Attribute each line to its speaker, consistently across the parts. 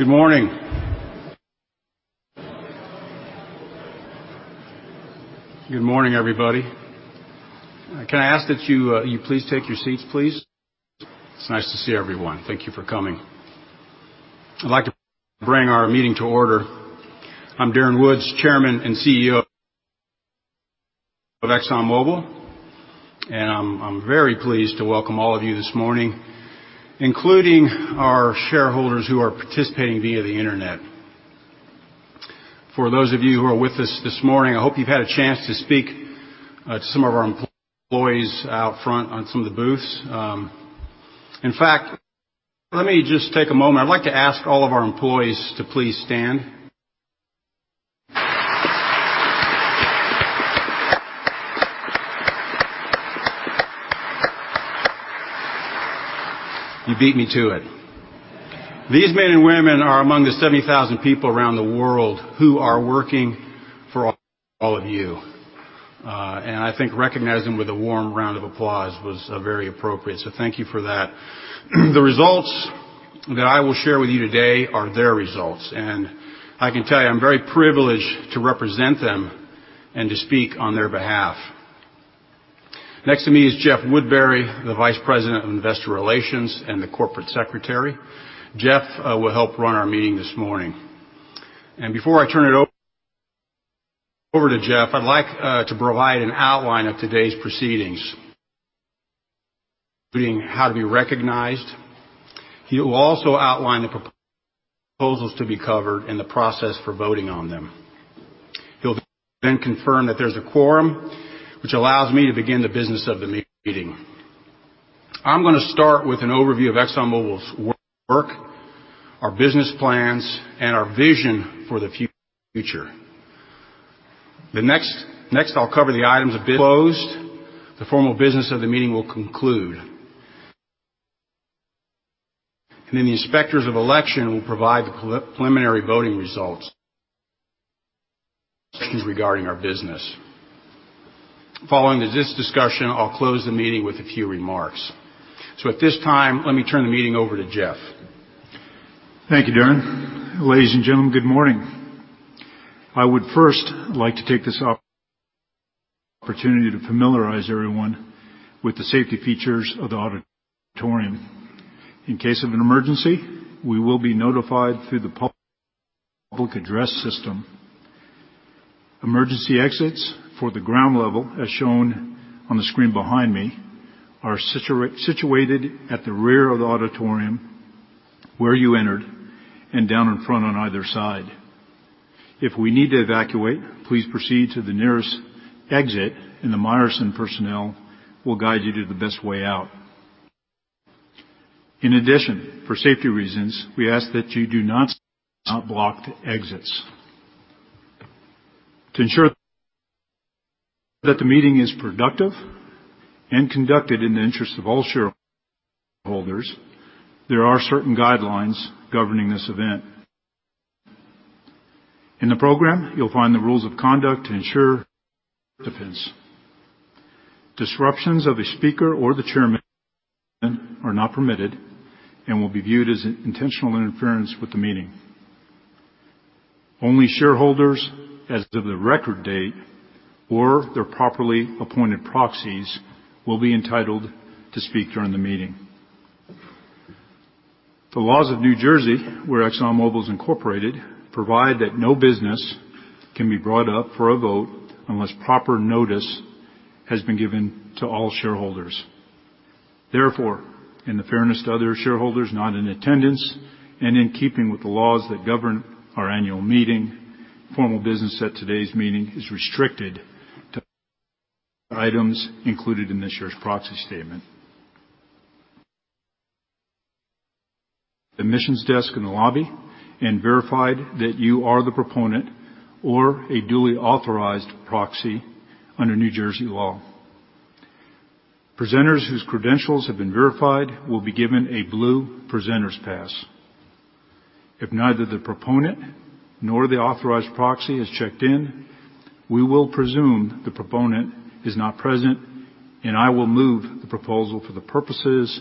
Speaker 1: Good morning. Good morning, everybody. Can I ask that you please take your seats, please? It's nice to see everyone. Thank you for coming. I'd like to bring our meeting to order. I'm Darren Woods, Chairman and CEO of ExxonMobil, and I'm very pleased to welcome all of you this morning, including our shareholders who are participating via the internet. For those of you who are with us this morning, I hope you've had a chance to speak to some of our employees out front on some of the booths. In fact, let me just take a moment. I'd like to ask all of our employees to please stand. You beat me to it. These men and women are among the 70,000 people around the world who are working for all of you. I think recognizing them with a warm round of applause was very appropriate, so thank you for that. The results that I will share with you today are their results, and I can tell you, I'm very privileged to represent them and to speak on their behalf. Next to me is Jeff Woodbury, the Vice President of Investor Relations and the Corporate Secretary. Jeff will help run our meeting this morning. Before I turn it over to Jeff, I'd like to provide an outline of today's proceedings, including how to be recognized. He will also outline the proposals to be covered and the process for voting on them. He'll confirm that there's a quorum, which allows me to begin the business of the meeting. I'm going to start with an overview of ExxonMobil's work, our business plans, and our vision for the future. Next, I'll cover the items of business. Closed. The formal business of the meeting will conclude. The Inspectors of Election will provide the preliminary voting results regarding our business. Following this discussion, I'll close the meeting with a few remarks. At this time, let me turn the meeting over to Jeff.
Speaker 2: Thank you, Darren. Ladies and gentlemen, good morning. I would first like to take this opportunity to familiarize everyone with the safety features of the auditorium. In case of an emergency, we will be notified through the public address system. Emergency exits for the ground level, as shown on the screen behind me, are situated at the rear of the auditorium, where you entered, and down in front on either side. If we need to evacuate, please proceed to the nearest exit, and the Meyerson personnel will guide you to the best way out. In addition, for safety reasons, we ask that you do not block the exits. To ensure that the meeting is productive and conducted in the interest of all shareholders, there are certain guidelines governing this event. In the program, you'll find the rules of conduct to ensure defense. Disruptions of a speaker or the chairman are not permitted and will be viewed as intentional interference with the meeting. Only shareholders as of the record date or their properly appointed proxies will be entitled to speak during the meeting. The laws of New Jersey, where ExxonMobil is incorporated, provide that no business can be brought up for a vote unless proper notice has been given to all shareholders. Therefore, in the fairness to other shareholders not in attendance and in keeping with the laws that govern our annual meeting, formal business at today's meeting is restricted to items included in this year's proxy statement. Admissions desk in the lobby and verified that you are the proponent or a duly authorized proxy under New Jersey law. Presenters whose credentials have been verified will be given a blue presenter's pass. If neither the proponent nor the authorized proxy has checked in, we will presume the proponent is not present, and I will move the proposal for the purposes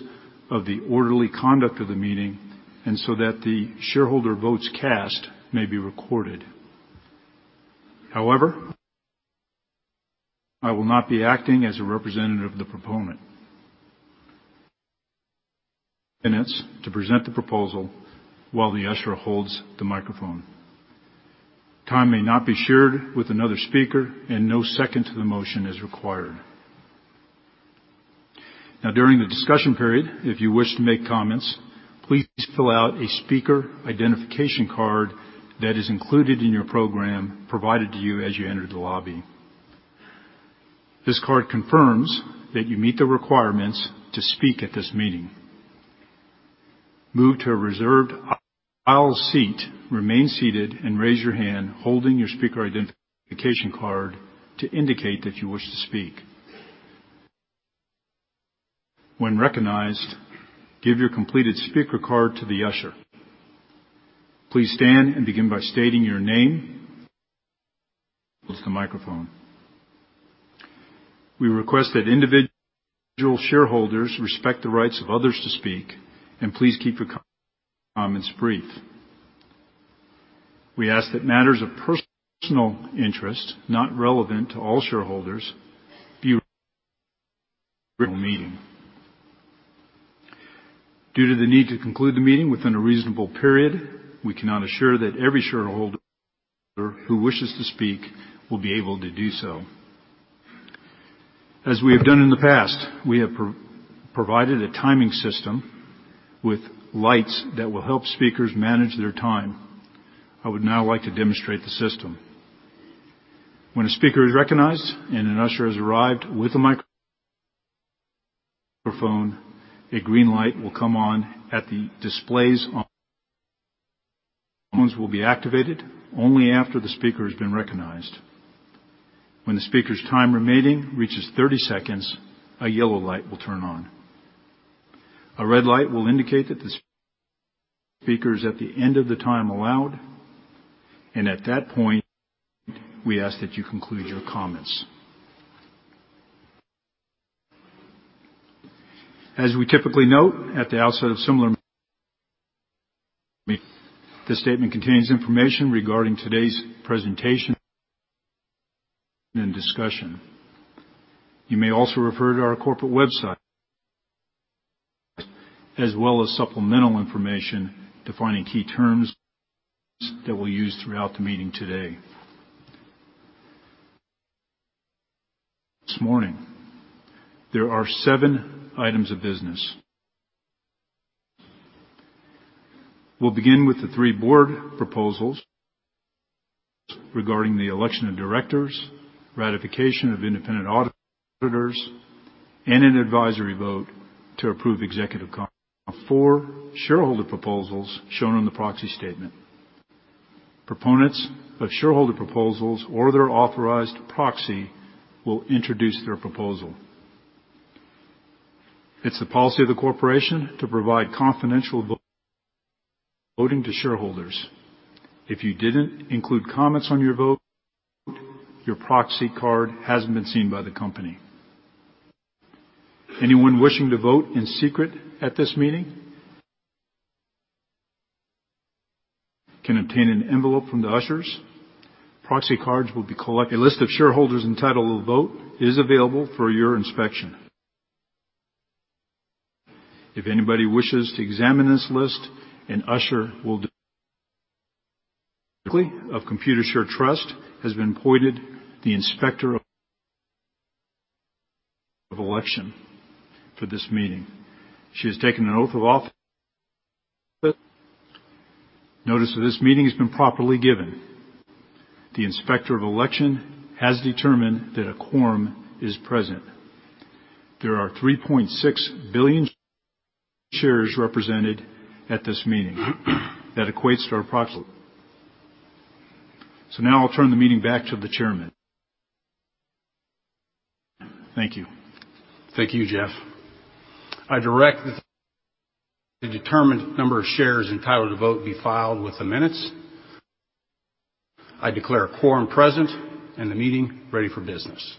Speaker 2: of the orderly conduct of the meeting and so that the shareholder votes cast may be recorded. However, I will not be acting as a representative of the proponent. Minutes to present the proposal while the usher holds the microphone. Time may not be shared with another speaker, and no second to the motion is required. During the discussion period, if you wish to make comments, please fill out a speaker identification card that is included in your program provided to you as you entered the lobby. This card confirms that you meet the requirements to speak at this meeting. Move to a reserved aisle seat, remain seated, and raise your hand holding your speaker identification card to indicate that you wish to speak. When recognized, give your completed speaker card to the usher. Please stand and begin by stating your name With the microphone. We request that individual shareholders respect the rights of others to speak, and please keep your comments brief. We ask that matters of personal interest not relevant to all shareholders be meeting. Due to the need to conclude the meeting within a reasonable period, we cannot assure that every shareholder who wishes to speak will be able to do so. As we have done in the past, we have provided a timing system with lights that will help speakers manage their time. I would now like to demonstrate the system. When a speaker is recognized and an usher has arrived with a microphone, a green light will come on at the displays will be activated only after the speaker has been recognized. When the speaker's time remaining reaches 30 seconds, a yellow light will turn on. A red light will indicate that the speaker is at the end of the time allowed, and at that point, we ask that you conclude your comments. As we typically note at the outset of similar this statement contains information regarding today's presentation and discussion. You may also refer to our corporate website as well as supplemental information defining key terms that we'll use throughout the meeting today. This morning, there are seven items of business. We'll begin with the three board proposals regarding the election of directors, ratification of independent auditors, and an advisory vote to approve executive four shareholder proposals shown on the proxy statement. Proponents of shareholder proposals or their authorized proxy will introduce their proposal. It's the policy of the corporation to provide confidential voting to shareholders. If you didn't include comments on your vote, your proxy card hasn't been seen by the company. Anyone wishing to vote in secret at this meeting can obtain an envelope from the ushers. Proxy cards will be collected. A list of shareholders entitled to vote is available for your inspection. If anybody wishes to examine this list, an usher will of Computershare Trust has been appointed the Inspector of Election for this meeting. She has taken an oath of office. Notice of this meeting has been properly given. The Inspector of Election has determined that a quorum is present. There are 3.6 billion shares represented at this meeting. That equates to approximately. Now I'll turn the meeting back to the chairman. Thank you.
Speaker 1: Thank you, Jeff. I direct that the determined number of shares entitled to vote be filed with the minutes. I declare a quorum present and the meeting ready for business.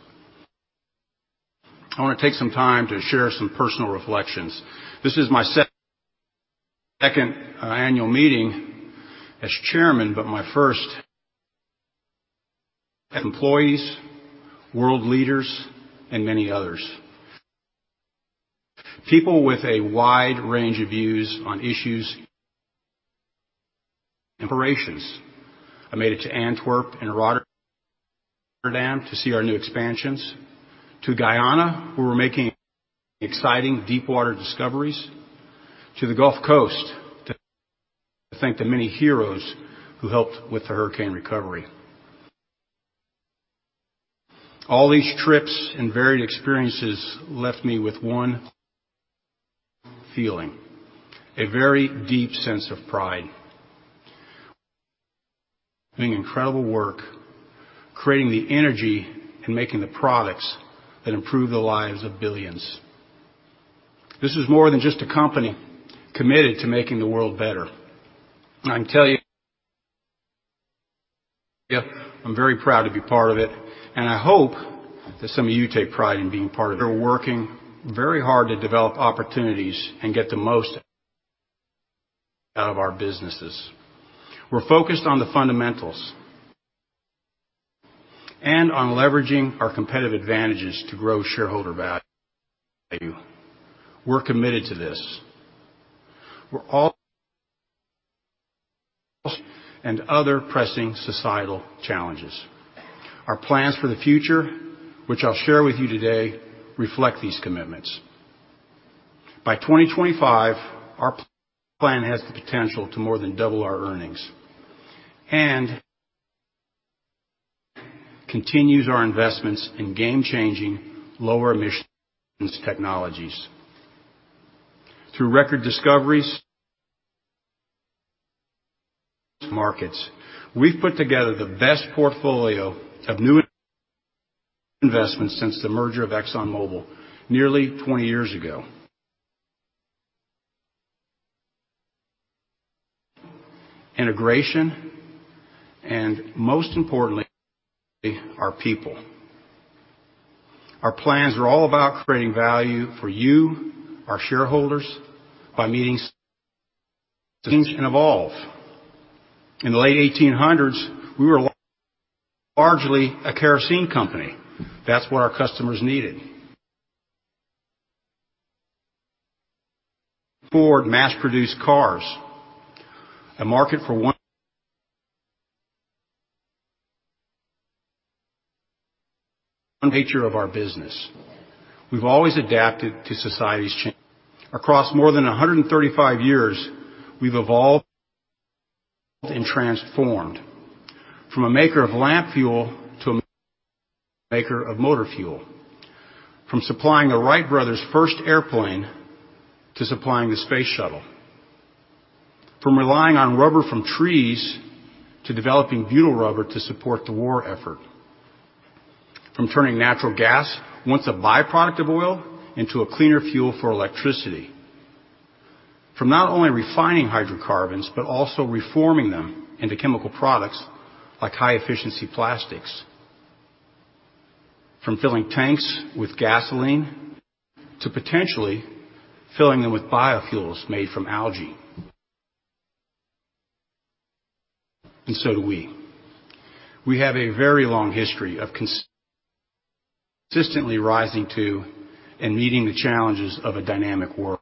Speaker 1: I want to take some time to share some personal reflections. This is my second annual meeting as chairman, but my first employees, world leaders, and many others. People with a wide range of views on issues operations. I made it to Antwerp and Rotterdam to see our new expansions, to Guyana, where we're making exciting deepwater discoveries, to the Gulf Coast to thank the many heroes who helped with the hurricane recovery. All these trips and varied experiences left me with one feeling, a very deep sense of pride. Doing incredible work, creating the energy, and making the products that improve the lives of billions. This is more than just a company committed to making the world better. I can tell you I'm very proud to be part of it, and I hope that some of you take pride in being part of it. We're working very hard to develop opportunities and get the most out of our businesses. We're focused on the fundamentals and on leveraging our competitive advantages to grow shareholder value. We're committed to this. We're all and other pressing societal challenges. Our plans for the future, which I'll share with you today, reflect these commitments. By 2025, our plan has the potential to more than double our earnings. Continues our investments in game-changing lower emissions technologies. Through record discoveries markets, we've put together the best portfolio of new investments since the merger of ExxonMobil nearly 20 years ago Integration, and most importantly, our people. Our plans are all about creating value for you, our shareholders, by meeting and evolve. In the late 1800s, we were largely a kerosene company. That's what our customers needed. Ford mass-produced cars. A market for one nature of our business. We've always adapted to society's change. Across more than 135 years, we've evolved and transformed from a maker of lamp fuel to a maker of motor fuel. From supplying the Wright brothers' first airplane to supplying the space shuttle. From relying on rubber from trees to developing butyl rubber to support the war effort. From turning natural gas, once a byproduct of oil, into a cleaner fuel for electricity. From not only refining hydrocarbons, but also reforming them into chemical products like high-efficiency plastics. From filling tanks with gasoline to potentially filling them with biofuels made from algae. So do we. We have a very long history of consistently rising to and meeting the challenges of a dynamic world.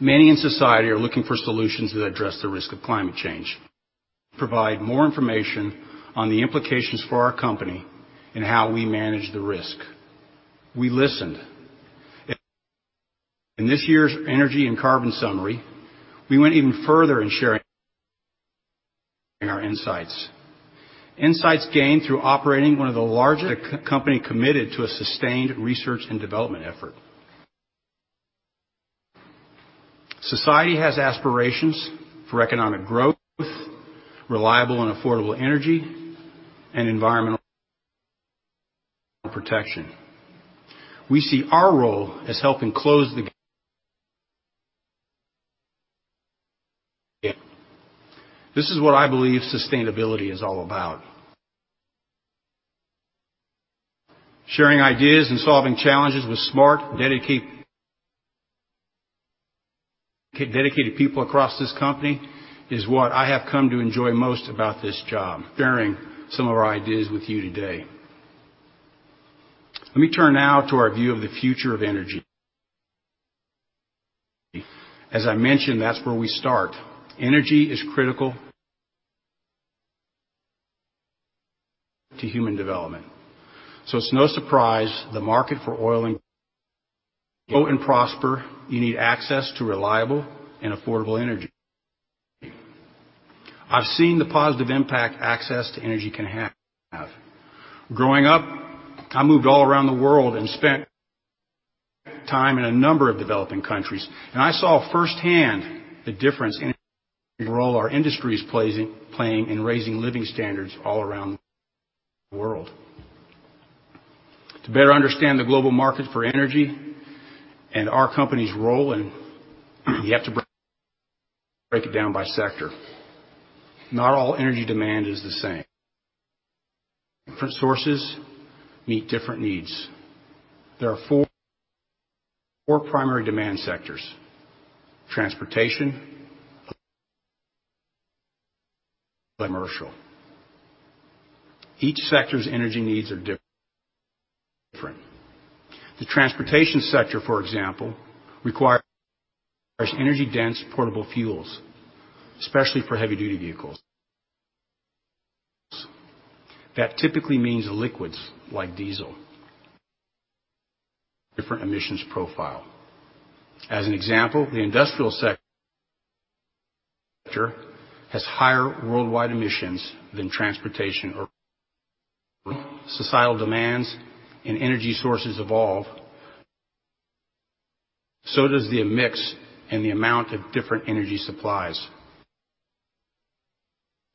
Speaker 1: Many in society are looking for solutions that address the risk of climate change. Provide more information on the implications for our company and how we manage the risk. We listened. In this year's energy and carbon summary, we went even further in sharing our insights. Insights gained through operating one of the largest company committed to a sustained research and development effort. Society has aspirations for economic growth, reliable and affordable energy, and environmental protection. We see our role as helping close the ga This is what I believe sustainability is all about. Sharing ideas and solving challenges with smart, dedicated people across this company is what I have come to enjoy most about this job. Sharing some of our ideas with you today. Let me turn now to our view of the future of energy. As I mentioned, that's where we start. Energy is critical to human development. It's no surprise the market for oil and grow and prosper, you need access to reliable and affordable energy. I've seen the positive impact access to energy can have. Growing up, I moved all around the world and spent time in a number of developing countries, and I saw firsthand the difference energy role our industry is playing in raising living standards all around the world. To better understand the global market for energy and our company's role in, you have to break it down by sector. Not all energy demand is the same. Different sources meet different needs. There are four primary demand sectors: transportation, commercial. Each sector's energy needs are different. The transportation sector, for example, requires energy-dense portable fuels, especially for heavy-duty vehicles. That typically means liquids like diesel. Different emissions profile. As an example, the industrial sector has higher worldwide emissions than transportation or societal demands and energy sources evolve, so does the mix and the amount of different energy supplies.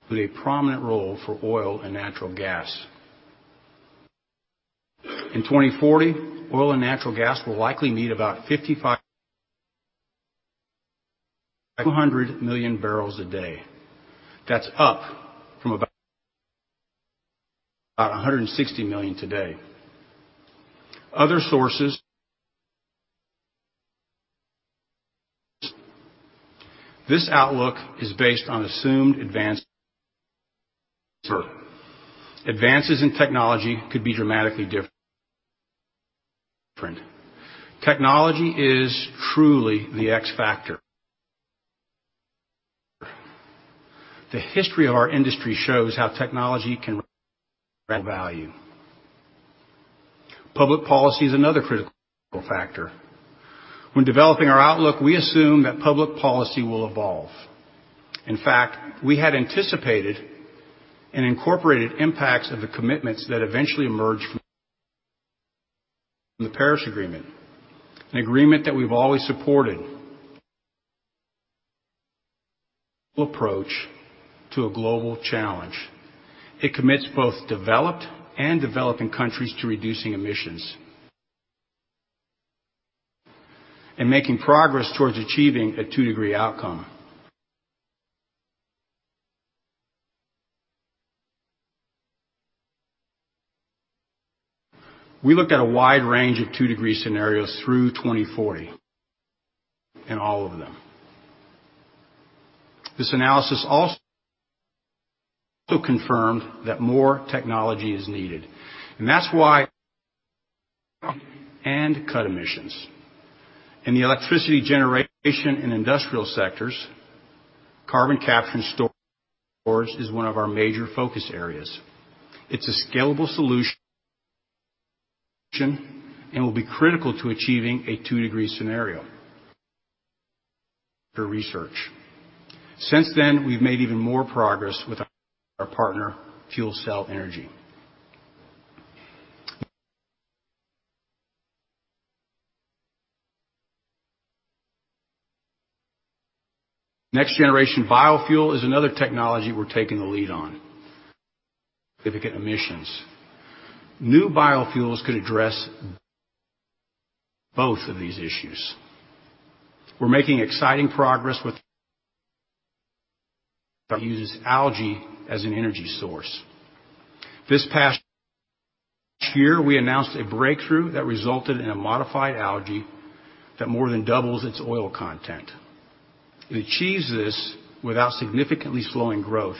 Speaker 1: With a prominent role for oil and natural gas. In 2040, oil and natural gas will likely meet about 5,500 million barrels a day. That's up from about 160 million today. Other sources. This outlook is based on assumed advanced advances in technology could be dramatically different. Technology is truly the X factor. The history of our industry shows how technology can value. Public policy is another critical factor. When developing our outlook, we assume that public policy will evolve. In fact, we had anticipated and incorporated impacts of the commitments that eventually emerged from the Paris Agreement, an agreement that we've always supported Approach to a global challenge. It commits both developed and developing countries to reducing emissions and making progress towards achieving a 2-degree outcome. We looked at a wide range of 2-degree scenarios through 2040 in all of them. This analysis also confirmed that more technology is needed, and that's why. Cut emissions. In the electricity generation and industrial sectors, carbon capture and storage is one of our major focus areas. It's a scalable solution and will be critical to achieving a 2-degree scenario for research. Since then, we've made even more progress with our partner, FuelCell Energy. Next-generation biofuel is another technology we're taking the lead on significant emissions. New biofuels could address both of these issues. We're making exciting progress with that uses algae as an energy source. This past year, we announced a breakthrough that resulted in a modified algae that more than doubles its oil content. It achieves this without significantly slowing growth,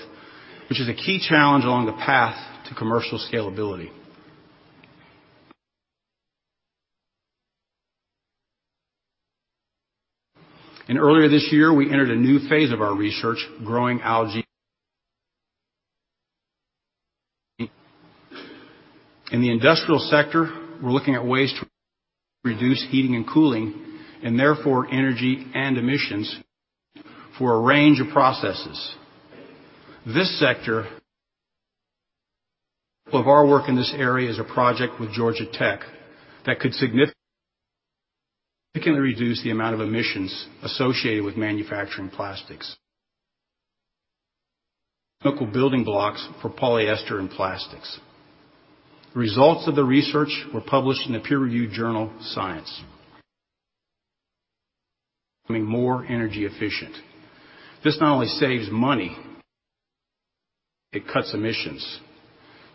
Speaker 1: which is a key challenge along the path to commercial scalability. Earlier this year, we entered a new phase of our research growing algae. In the industrial sector, we're looking at ways to reduce heating and cooling and therefore energy and emissions for a range of processes. This sector of our work in this area is a project with Georgia Tech that could significantly reduce the amount of emissions associated with manufacturing plastics. Chemical building blocks for polyester and plastics. Results of the research were published in a peer-reviewed journal, Science. Be more energy efficient. This not only saves money, it cuts emissions.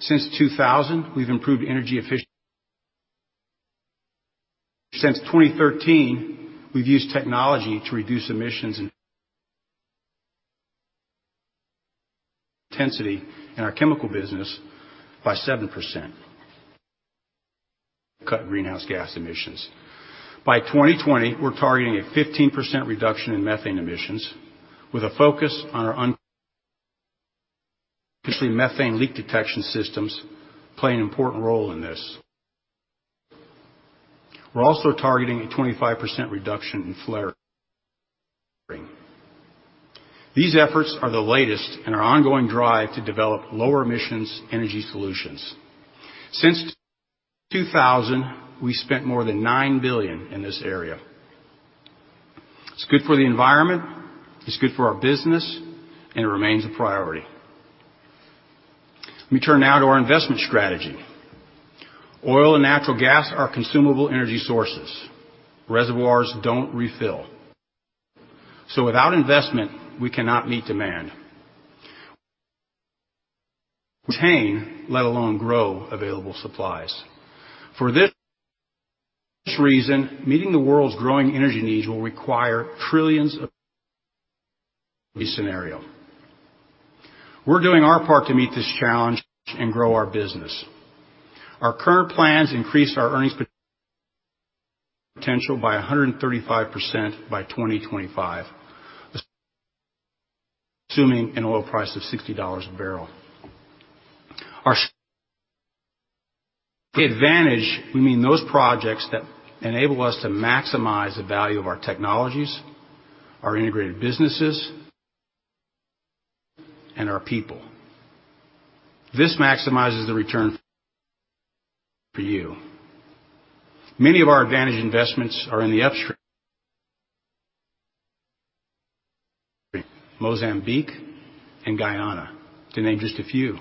Speaker 1: Since 2000, we've improved energy efficiency. Since 2013, we've used technology to reduce emissions intensity in our chemical business by 7%. Cut greenhouse gas emissions. By 2020, we're targeting a 15% reduction in methane emissions with a focus on our methane leak detection systems play an important role in this. We're also targeting a 25% reduction in flaring. These efforts are the latest in our ongoing drive to develop lower emissions energy solutions. Since 2000, we spent more than $9 billion in this area. It's good for the environment, it's good for our business, and it remains a priority. Let me turn now to our investment strategy. Oil and natural gas are consumable energy sources. Reservoirs don't refill. Without investment, we cannot meet demand. Maintain, let alone grow available supplies. For this reason, meeting the world's growing energy needs will require trillions of scenario. We're doing our part to meet this challenge and grow our business. Our current plans increase our earnings potential by 135% by 2025, assuming an oil price of $60 a barrel. Our advantage, we mean those projects that enable us to maximize the value of our technologies, our integrated businesses, and our people. This maximizes the return for you. Many of our advantage investments are in the upstream. Mozambique and Guyana to name just a few.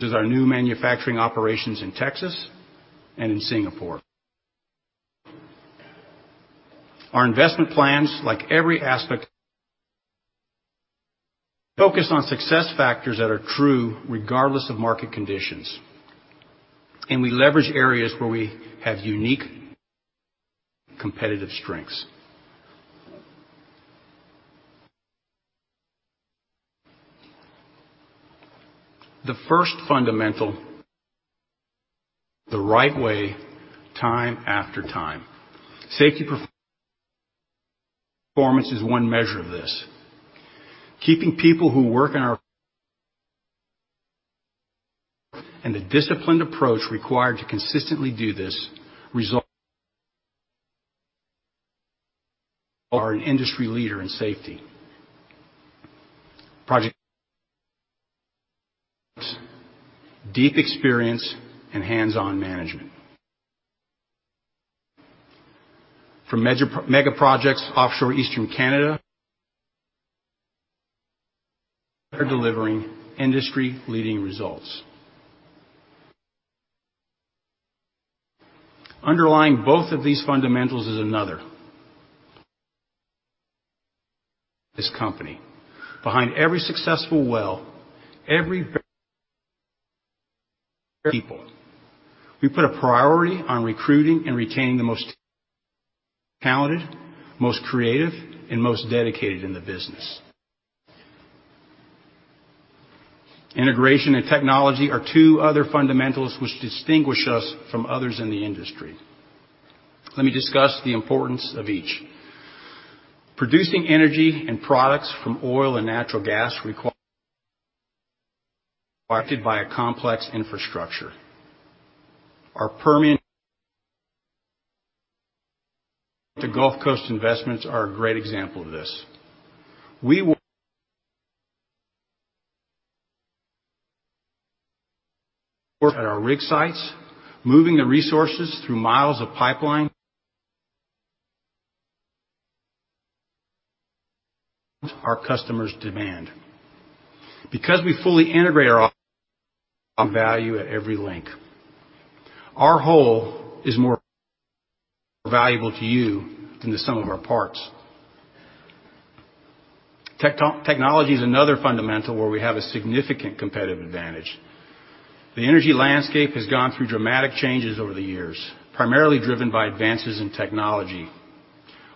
Speaker 1: There's our new manufacturing operations in Texas and in Singapore. Our investment plans, like every aspect, focused on success factors that are true regardless of market conditions. We leverage areas where we have unique competitive strengths. The first fundamental, the right way, time after time. Safety performance is one measure of this. Keeping people who work in our and the disciplined approach required to consistently do this result are an industry leader in safety. Project Deep experience and hands-on management. Mega projects offshore Eastern Canada are delivering industry-leading results. Underlying both of these fundamentals is another. This company. Behind every successful well, our people. We put a priority on recruiting and retaining the most talented, most creative, and most dedicated in the business. Integration and technology are two other fundamentals which distinguish us from others in the industry. Let me discuss the importance of each. Producing energy and products from oil and natural gas require a complex infrastructure. Our Permian and Gulf Coast investments are a great example of this. We work at our rig sites, moving the resources through miles of pipeline our customers demand. Because we fully integrate our value at every link. Our whole is more valuable to you than the sum of our parts. Technology is another fundamental where we have a significant competitive advantage. The energy landscape has gone through dramatic changes over the years, primarily driven by advances in technology.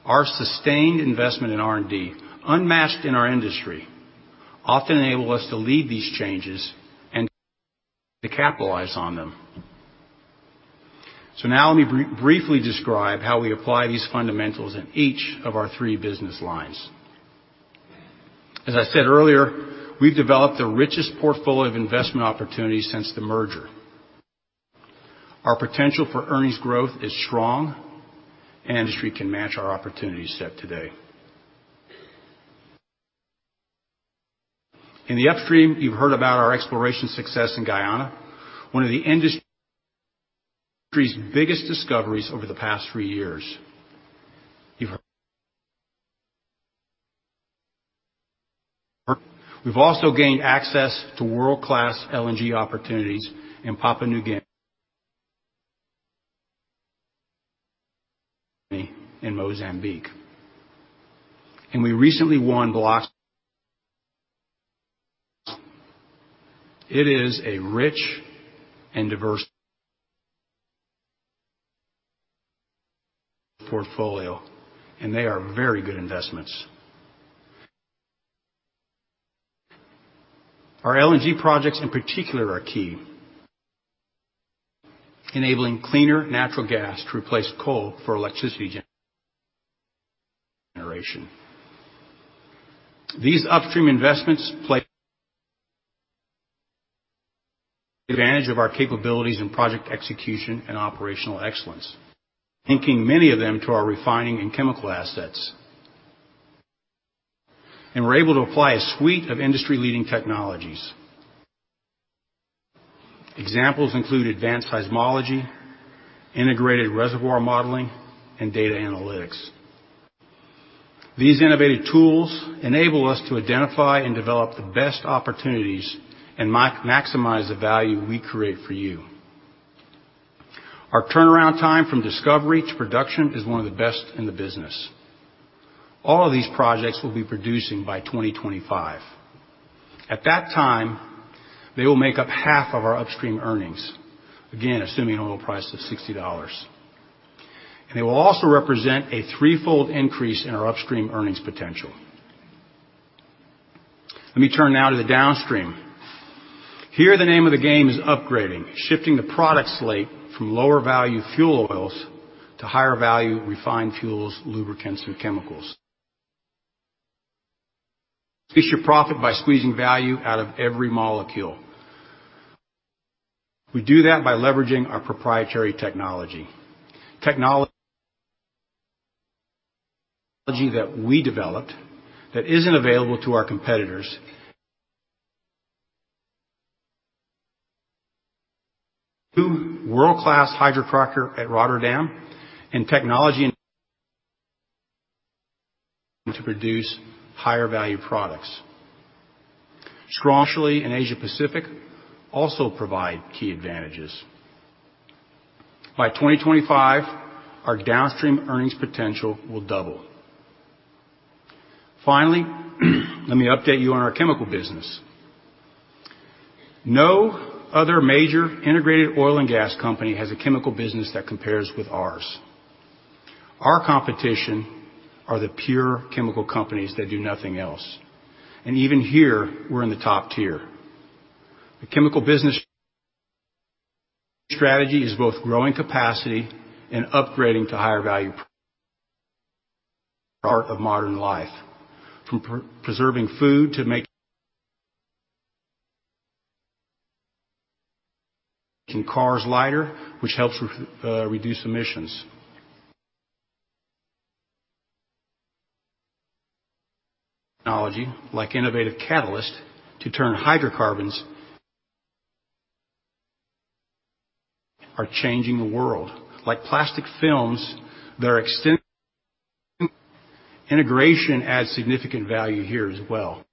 Speaker 1: Our sustained investment in R&D, unmatched in our industry, often enable us to lead these changes and to capitalize on them. Let me briefly describe how we apply these fundamentals in each of our three business lines. As I said earlier, we've developed the richest portfolio of investment opportunities since the merger. Our potential for earnings growth is strong. No industry can match our opportunity set today. In the upstream, you've heard about our exploration success in Guyana, one of the industry's biggest discoveries over the past three years. We've also gained access to world-class LNG opportunities in Papua New Guinea, in Mozambique. We recently won blocks. It is a rich and diverse portfolio, and they are very good investments. Our LNG projects in particular are key, enabling cleaner natural gas to replace coal for electricity generation. These upstream investments take advantage of our capabilities in project execution and operational excellence, linking many of them to our refining and chemical assets. We're able to apply a suite of industry-leading technologies. Examples include advanced seismology, integrated reservoir modeling, and data analytics. These innovative tools enable us to identify and develop the best opportunities and maximize the value we create for you. Our turnaround time from discovery to production is one of the best in the business. All of these projects will be producing by 2025. At that time, they will make up half of our upstream earnings, again, assuming an oil price of $60. They will also represent a threefold increase in our upstream earnings potential. Let me turn now to the downstream. Here, the name of the game is upgrading, shifting the product slate from lower value fuel oils to higher value refined fuels, lubricants, and chemicals. Increase your profit by squeezing value out of every molecule. We do that by leveraging our proprietary technology. Technology that we developed that isn't available to our competitors. Two world-class hydrocrackers at Rotterdam and technology to produce higher value products. [inaudible] in Asia Pacific also provide key advantages. By 2025, our downstream earnings potential will double. Finally, let me update you on our chemical business. No other major integrated oil and gas company has a chemical business that compares with ours. Our competition are the pure chemical companies that do nothing else. Even here, we're in the top tier. The chemical business strategy is both growing capacity and upgrading to higher value part of modern life, from preserving food to making cars lighter, which helps reduce emissions. Technology like innovative catalysts to turn hydrocarbons are changing the world, like plastic films that are. Integration adds significant value here as well.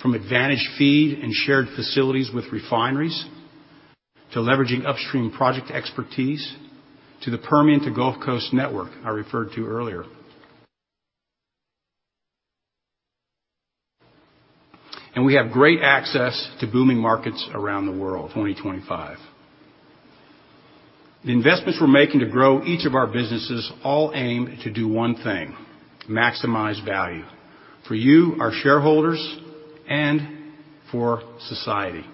Speaker 1: From advantaged feed and shared facilities with refineries, to leveraging upstream project expertise, to the Permian to Gulf Coast network I referred to earlier. We have great access to booming markets around the world. 2025. The investments we're making to grow each of our businesses all aim to do one thing, maximize value for you, our shareholders, and for society.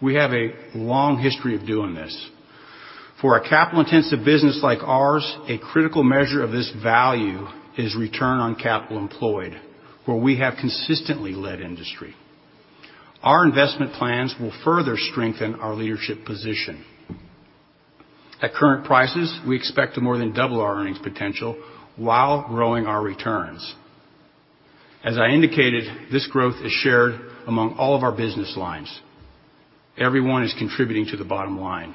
Speaker 1: We have a long history of doing this. For a capital-intensive business like ours, a critical measure of this value is Return on Capital Employed, where we have consistently led industry. Our investment plans will further strengthen our leadership position. At current prices, we expect to more than double our earnings potential while growing our returns. As I indicated, this growth is shared among all of our business lines. Everyone is contributing to the bottom line.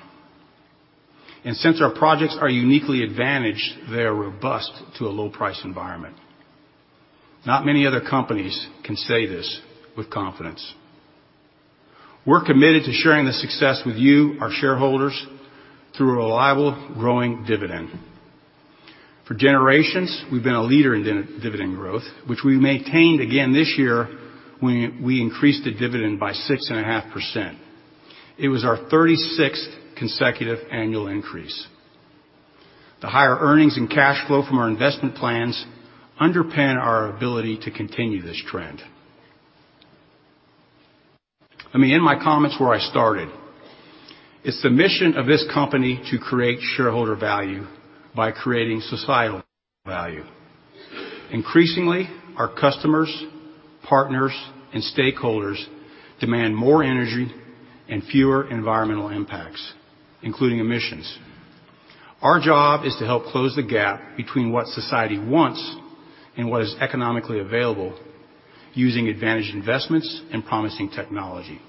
Speaker 1: Since our projects are uniquely advantaged, they are robust to a low-price environment. Not many other companies can say this with confidence. We're committed to sharing the success with you, our shareholders, through a reliable growing dividend. For generations, we've been a leader in dividend growth, which we maintained again this year when we increased the dividend by 6.5%. It was our 36th consecutive annual increase. The higher earnings and cash flow from our investment plans underpin our ability to continue this trend. Let me end my comments where I started. It's the mission of this company to create shareholder value by creating societal value. Increasingly, our customers, partners, and stakeholders demand more energy and fewer environmental impacts, including emissions. Our job is to help close the gap between what society wants and what is economically available using advantaged investments and promising technology.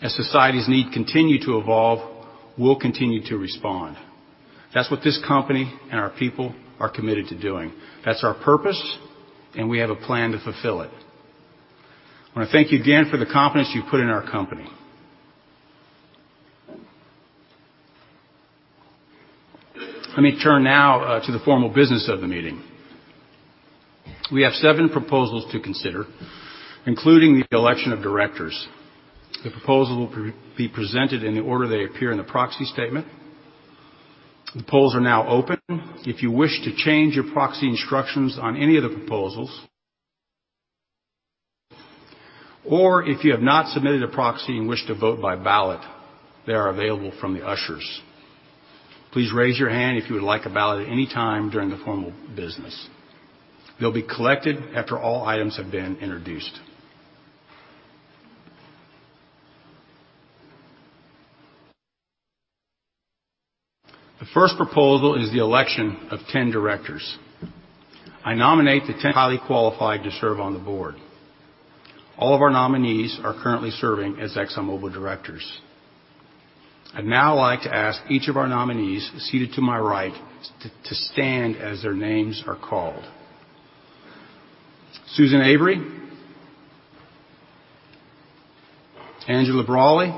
Speaker 1: As society's needs continue to evolve, we'll continue to respond. That's what this company and our people are committed to doing. That's our purpose, and we have a plan to fulfill it. I want to thank you again for the confidence you've put in our company. Let me turn now to the formal business of the meeting. We have seven proposals to consider, including the election of directors. The proposals will be presented in the order they appear in the proxy statement. The polls are now open. If you wish to change your proxy instructions on any of the proposals or if you have not submitted a proxy and wish to vote by ballot, they are available from the ushers. Please raise your hand if you would like a ballot at any time during the formal business. They'll be collected after all items have been introduced. The first proposal is the election of 10 directors. I nominate the 10 highly qualified to serve on the board. All of our nominees are currently serving as ExxonMobil directors. I'd now like to ask each of our nominees seated to my right to stand as their names are called. Susan Avery. Angela Braly.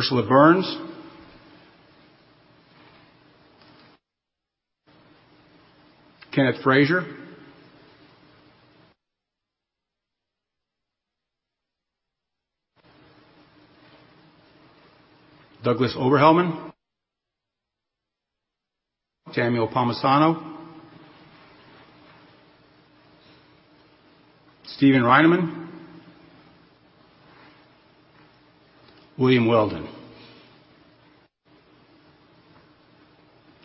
Speaker 1: Ursula Burns. Kenneth Frazier. Douglas Oberhelman. Samuel Palmisano. Steven Reinemund. William Weldon.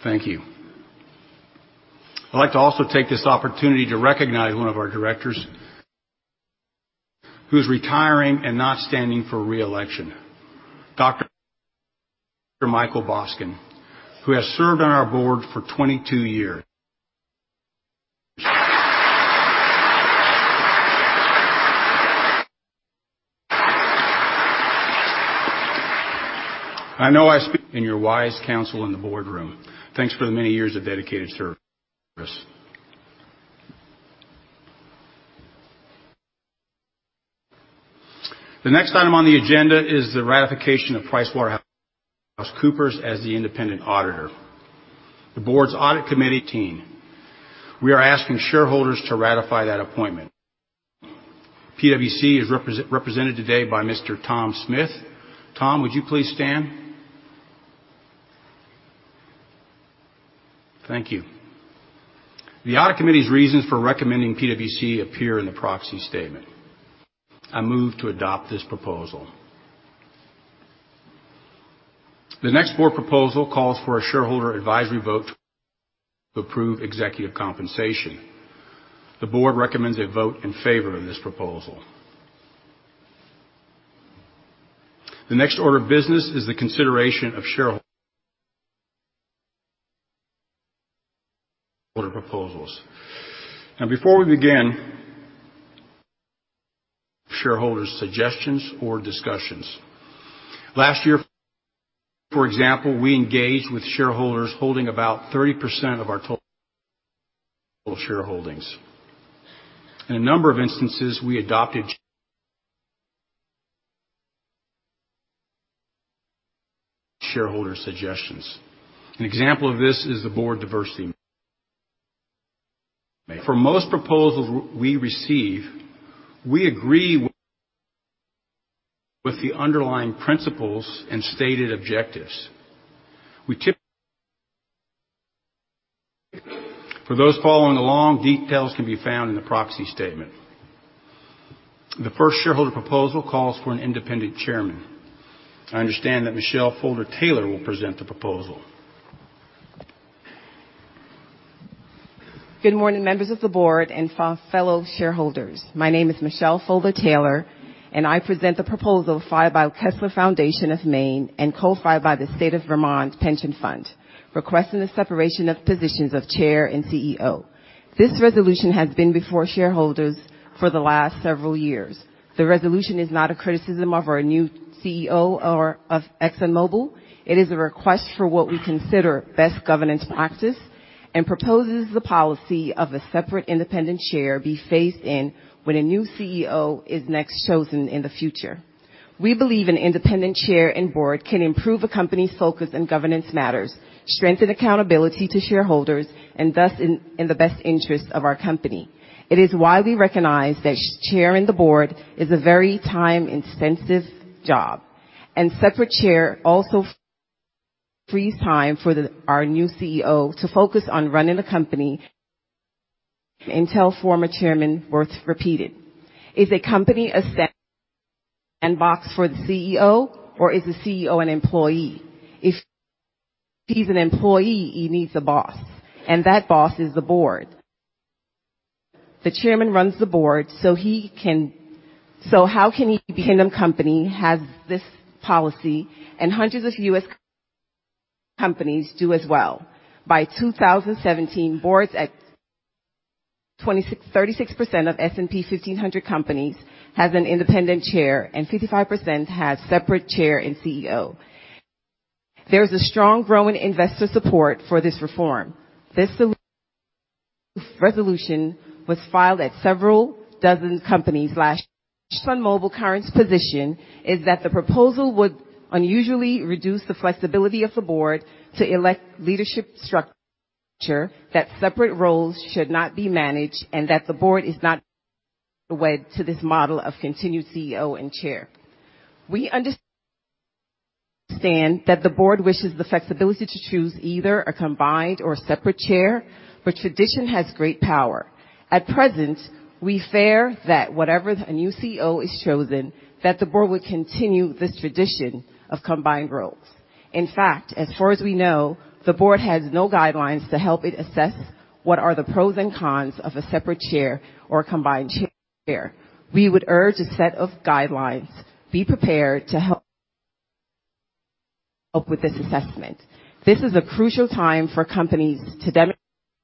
Speaker 1: Thank you. I'd like to also take this opportunity to recognize one of our directors who's retiring and not standing for re-election, Dr. Michael Boskin, who has served on our board for 22 years. I know I speak for all of us in your wise counsel in the boardroom. Thanks for the many years of dedicated service. The next item on the agenda is the ratification of PricewaterhouseCoopers as the independent auditor. The board's Audit Committee team, we are asking shareholders to ratify that appointment. PwC is represented today by Mr. Tom Smith. Tom, would you please stand? Thank you. The Audit Committee's reasons for recommending PwC appear in the proxy statement. I move to adopt this proposal. The next board proposal calls for a shareholder advisory vote to approve executive compensation. The board recommends a vote in favor of this proposal. The next order of business is the consideration of shareholder proposals. Now, before we begin, shareholders' suggestions or discussions. Last year, for example, we engaged with shareholders holding about 30% of our total shareholdings. In a number of instances, we adopted shareholder suggestions. An example of this is the board diversity. For most proposals we receive, we agree with the underlying principles and stated objectives. For those following along, details can be found in the proxy statement. The first shareholder proposal calls for an independent chairman. I understand that Michelle Holder Taylor will present the proposal.
Speaker 3: Good morning, members of the board and fellow shareholders. My name is Michelle Holder Taylor, and I present the proposal filed by Kessler Foundation of Maine and co-filed by the State of Vermont Pension Fund, requesting the separation of positions of chair and CEO. This resolution has been before shareholders for the last several years. The resolution is not a criticism of our new CEO or of ExxonMobil. It is a request for what we consider best governance practice and proposes the policy of a separate independent chair be phased in when a new CEO is next chosen in the future. We believe an independent chair and board can improve a company's focus on governance matters, strengthen accountability to shareholders, and thus in the best interest of our company. It is widely recognized that chairing the board is a very time-intensive job, and separate chair also frees time for our new CEO to focus on running the company until former chairman, worth repeated. Is a company a sandbox for the CEO, or is the CEO an employee? If he's an employee, he needs a boss, and that boss is the board. The chairman runs the board, so how can he pin them? Company has this policy and hundreds of U.S. companies do as well. By 2017, boards at 36% of S&P 1500 companies has an independent chair, and 55% have separate chair and CEO. There is a strong growing investor support for this reform. This resolution was filed at several dozen companies last year. ExxonMobil current position is that the proposal would unusually reduce the flexibility of the board to elect leadership structure, that separate roles should not be managed, and that the board is not wed to this model of continued CEO and chair. We understand that the board wishes the flexibility to choose either a combined or separate chair, but tradition has great power. At present, we fear that whenever a new CEO is chosen, that the board would continue this tradition of combined roles. In fact, as far as we know, the board has no guidelines to help it assess what are the pros and cons of a separate chair or a combined chair. We would urge a set of guidelines be prepared to help with this assessment. This is a crucial time for companies to demonstrate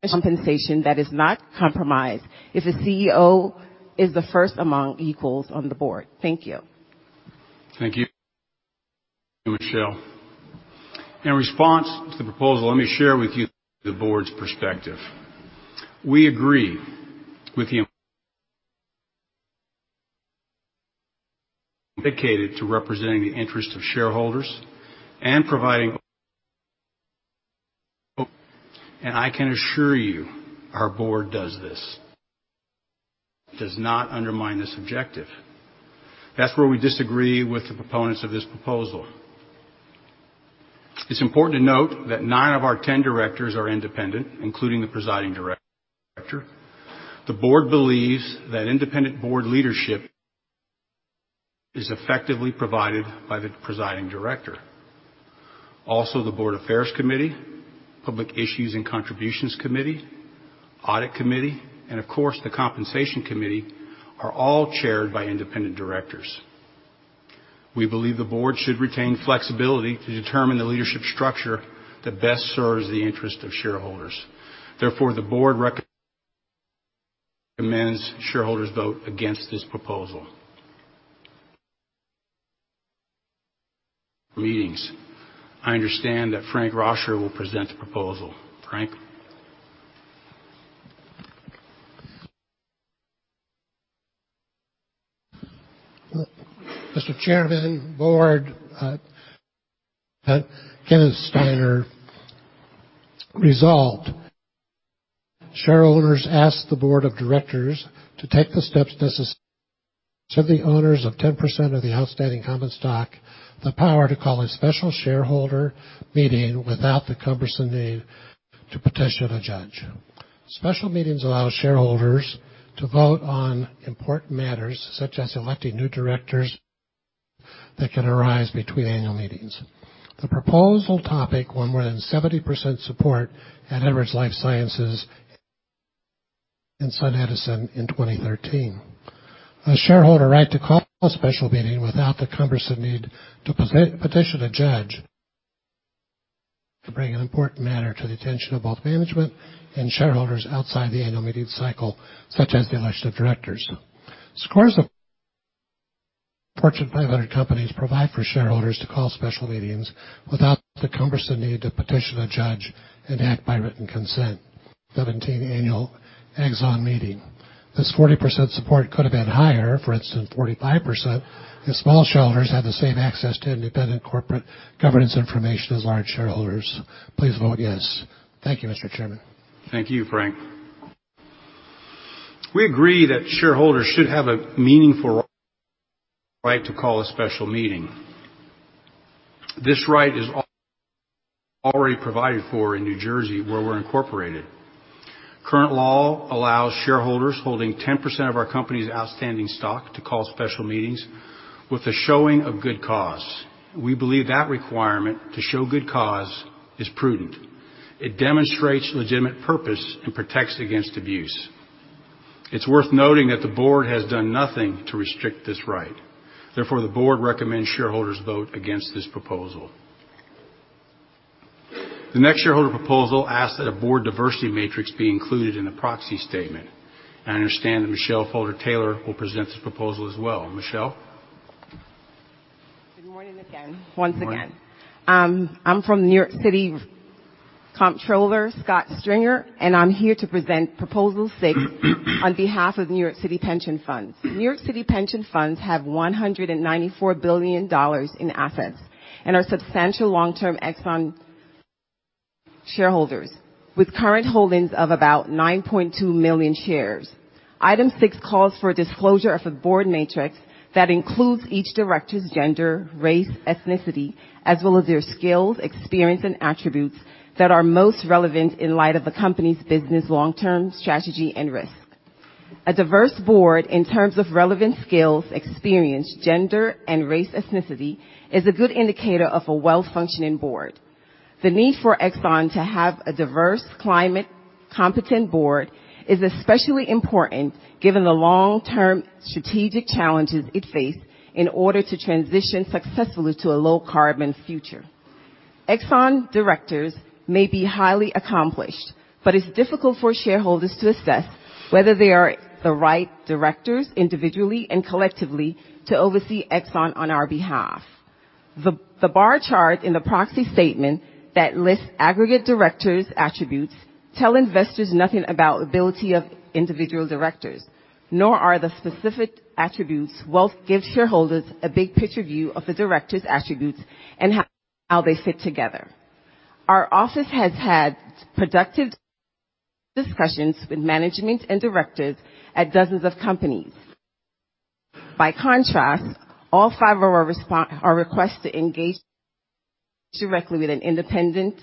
Speaker 3: compensation that is not compromised if a CEO is the first among equals on the board. Thank you.
Speaker 1: Thank you, Michelle. In response to the proposal, let me share with you the board's perspective. We agree with you. Dedicated to representing the interest of shareholders and providing, and I can assure you our board does this, does not undermine this objective. That's where we disagree with the proponents of this proposal. It's important to note that nine of our 10 directors are independent, including the presiding director. The board believes that independent board leadership is effectively provided by the presiding director. Also, the Board Affairs Committee, Public Issues and Contributions Committee, Audit Committee, and of course, the Compensation Committee, are all chaired by independent directors. We believe the board should retain flexibility to determine the leadership structure that best serves the interest of shareholders. Therefore, the board recommends shareholders vote against this proposal. Meetings. I understand that Frank Roscher will present the proposal. Frank?
Speaker 3: Mr. Chairman, board, Kenneth Steiner. Resolved, shareholders ask the board of directors to take the steps necessary to give the owners of 10% of the outstanding common stock the power to call a special shareholder meeting without the cumbersome need to petition a judge. Special meetings allow shareholders to vote on important matters, such as electing new directors that can arise between annual meetings. The proposal topic won more than 70% support at Edwards Lifesciences in SunEdison in 2013. A shareholder right to call a special meeting without the cumbersome need to petition a judge to bring an important matter to the attention of both management and shareholders outside the annual meeting cycle, such as the election of directors. Scores of Fortune 500 companies provide for shareholders to call special meetings without the cumbersome need to petition a judge and act by written consent. 17 annual Exxon meeting. This 40% support could have been higher, for instance, 45%, if small shareholders had the same access to independent corporate governance information as large shareholders. Please vote yes. Thank you, Mr. Chairman.
Speaker 1: Thank you, Frank. We agree that shareholders should have a meaningful right to call a special meeting. This right is already provided for in New Jersey, where we're incorporated. Current law allows shareholders holding 10% of our company's outstanding stock to call special meetings with a showing of good cause. We believe that requirement to show good cause is prudent. It demonstrates legitimate purpose and protects against abuse. The board recommends shareholders vote against this proposal. The next shareholder proposal asks that a board diversity matrix be included in the proxy statement. I understand that Michelle Holder Taylor will present this proposal as well. Michelle?
Speaker 3: Good morning again. Once again.
Speaker 1: Morning.
Speaker 3: I'm from New York City Comptroller Scott Stringer, I'm here to present Proposal 6 on behalf of New York City Pension Funds. New York City Pension Funds have $194 billion in assets and are substantial long-term Exxon shareholders with current holdings of about 9.2 million shares. Item 6 calls for disclosure of a board matrix that includes each director's gender, race, ethnicity, as well as their skills, experience, and attributes that are most relevant in light of the company's business long-term strategy and risk. A diverse board in terms of relevant skills, experience, gender, and race ethnicity is a good indicator of a well-functioning board. The need for Exxon to have a diverse climate competent board is especially important given the long-term strategic challenges it face in order to transition successfully to a low-carbon future. Exxon directors may be highly accomplished, but it's difficult for shareholders to assess whether they are the right directors individually and collectively to oversee Exxon on our behalf. The bar chart in the proxy statement that lists aggregate directors' attributes tell investors nothing about ability of individual directors, nor are the specific attributes wealth gives shareholders a big picture view of the director's attributes and how they fit together. Our office has had productive discussions with management and directors at dozens of companies. By contrast, all five of our requests to engage directly with an independent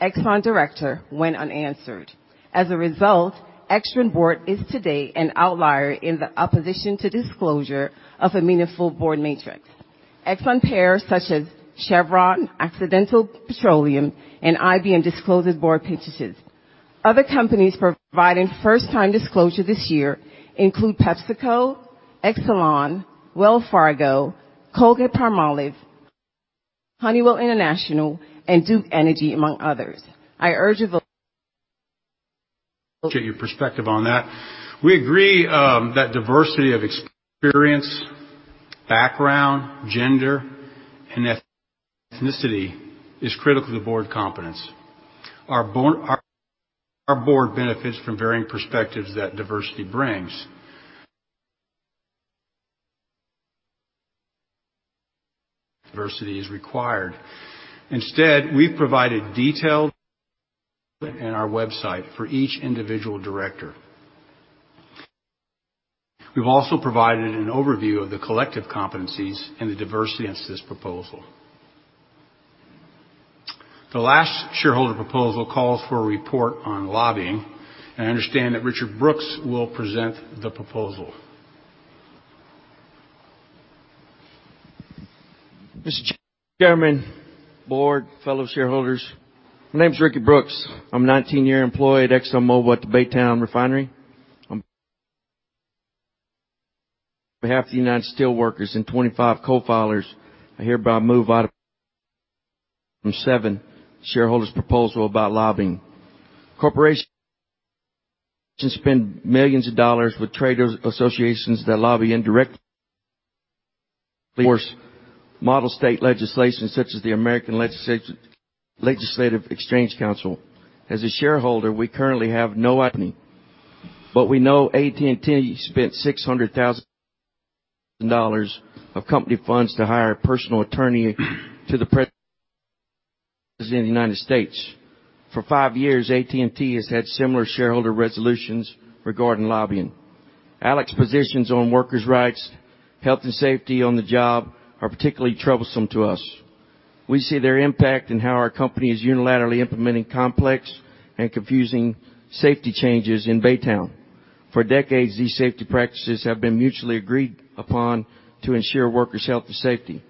Speaker 3: Exxon director went unanswered. As a result, Exxon board is today an outlier in the opposition to disclosure of a meaningful board matrix. Exxon peers such as Chevron, Occidental Petroleum, and IBM disclose board matrices. Other companies providing first-time disclosure this year include PepsiCo, Exelon, Wells Fargo, Colgate-Palmolive, Honeywell International, and Duke Energy, among others. I urge a vote-
Speaker 1: Get your perspective on that. We agree that diversity of experience, background, gender, and ethnicity is critical to board competence. Our board benefits from varying perspectives that diversity brings. Diversity is required. Instead, we've provided detailed in our website for each individual director. We've also provided an overview of the collective competencies and the diversity against this proposal. The last shareholder proposal calls for a report on lobbying, and I understand that Ricky Brooks will present the proposal.
Speaker 4: Mr. Chairman, board, fellow shareholders, my name is Ricky Brooks. I'm a 19-year employee at ExxonMobil at the Baytown Refinery. On behalf of the United Steelworkers and 25 co-filers, I hereby move item seven, shareholders' proposal about lobbying. Corporations spend millions of dollars with trade associations that lobby indirectly course model state legislation such as the American Legislative Exchange Council. As a shareholder, we currently have no attorney, but we know AT&T spent $600,000 of company funds to hire a personal attorney to the President of the United States. For five years, AT&T has had similar shareholder resolutions regarding lobbying. ALEC positions on workers' rights, health, and safety on the job are particularly troublesome to us. We see their impact in how our company is unilaterally implementing complex and confusing safety changes in Baytown. For decades, these safety practices have been mutually agreed upon to ensure workers' health and safety.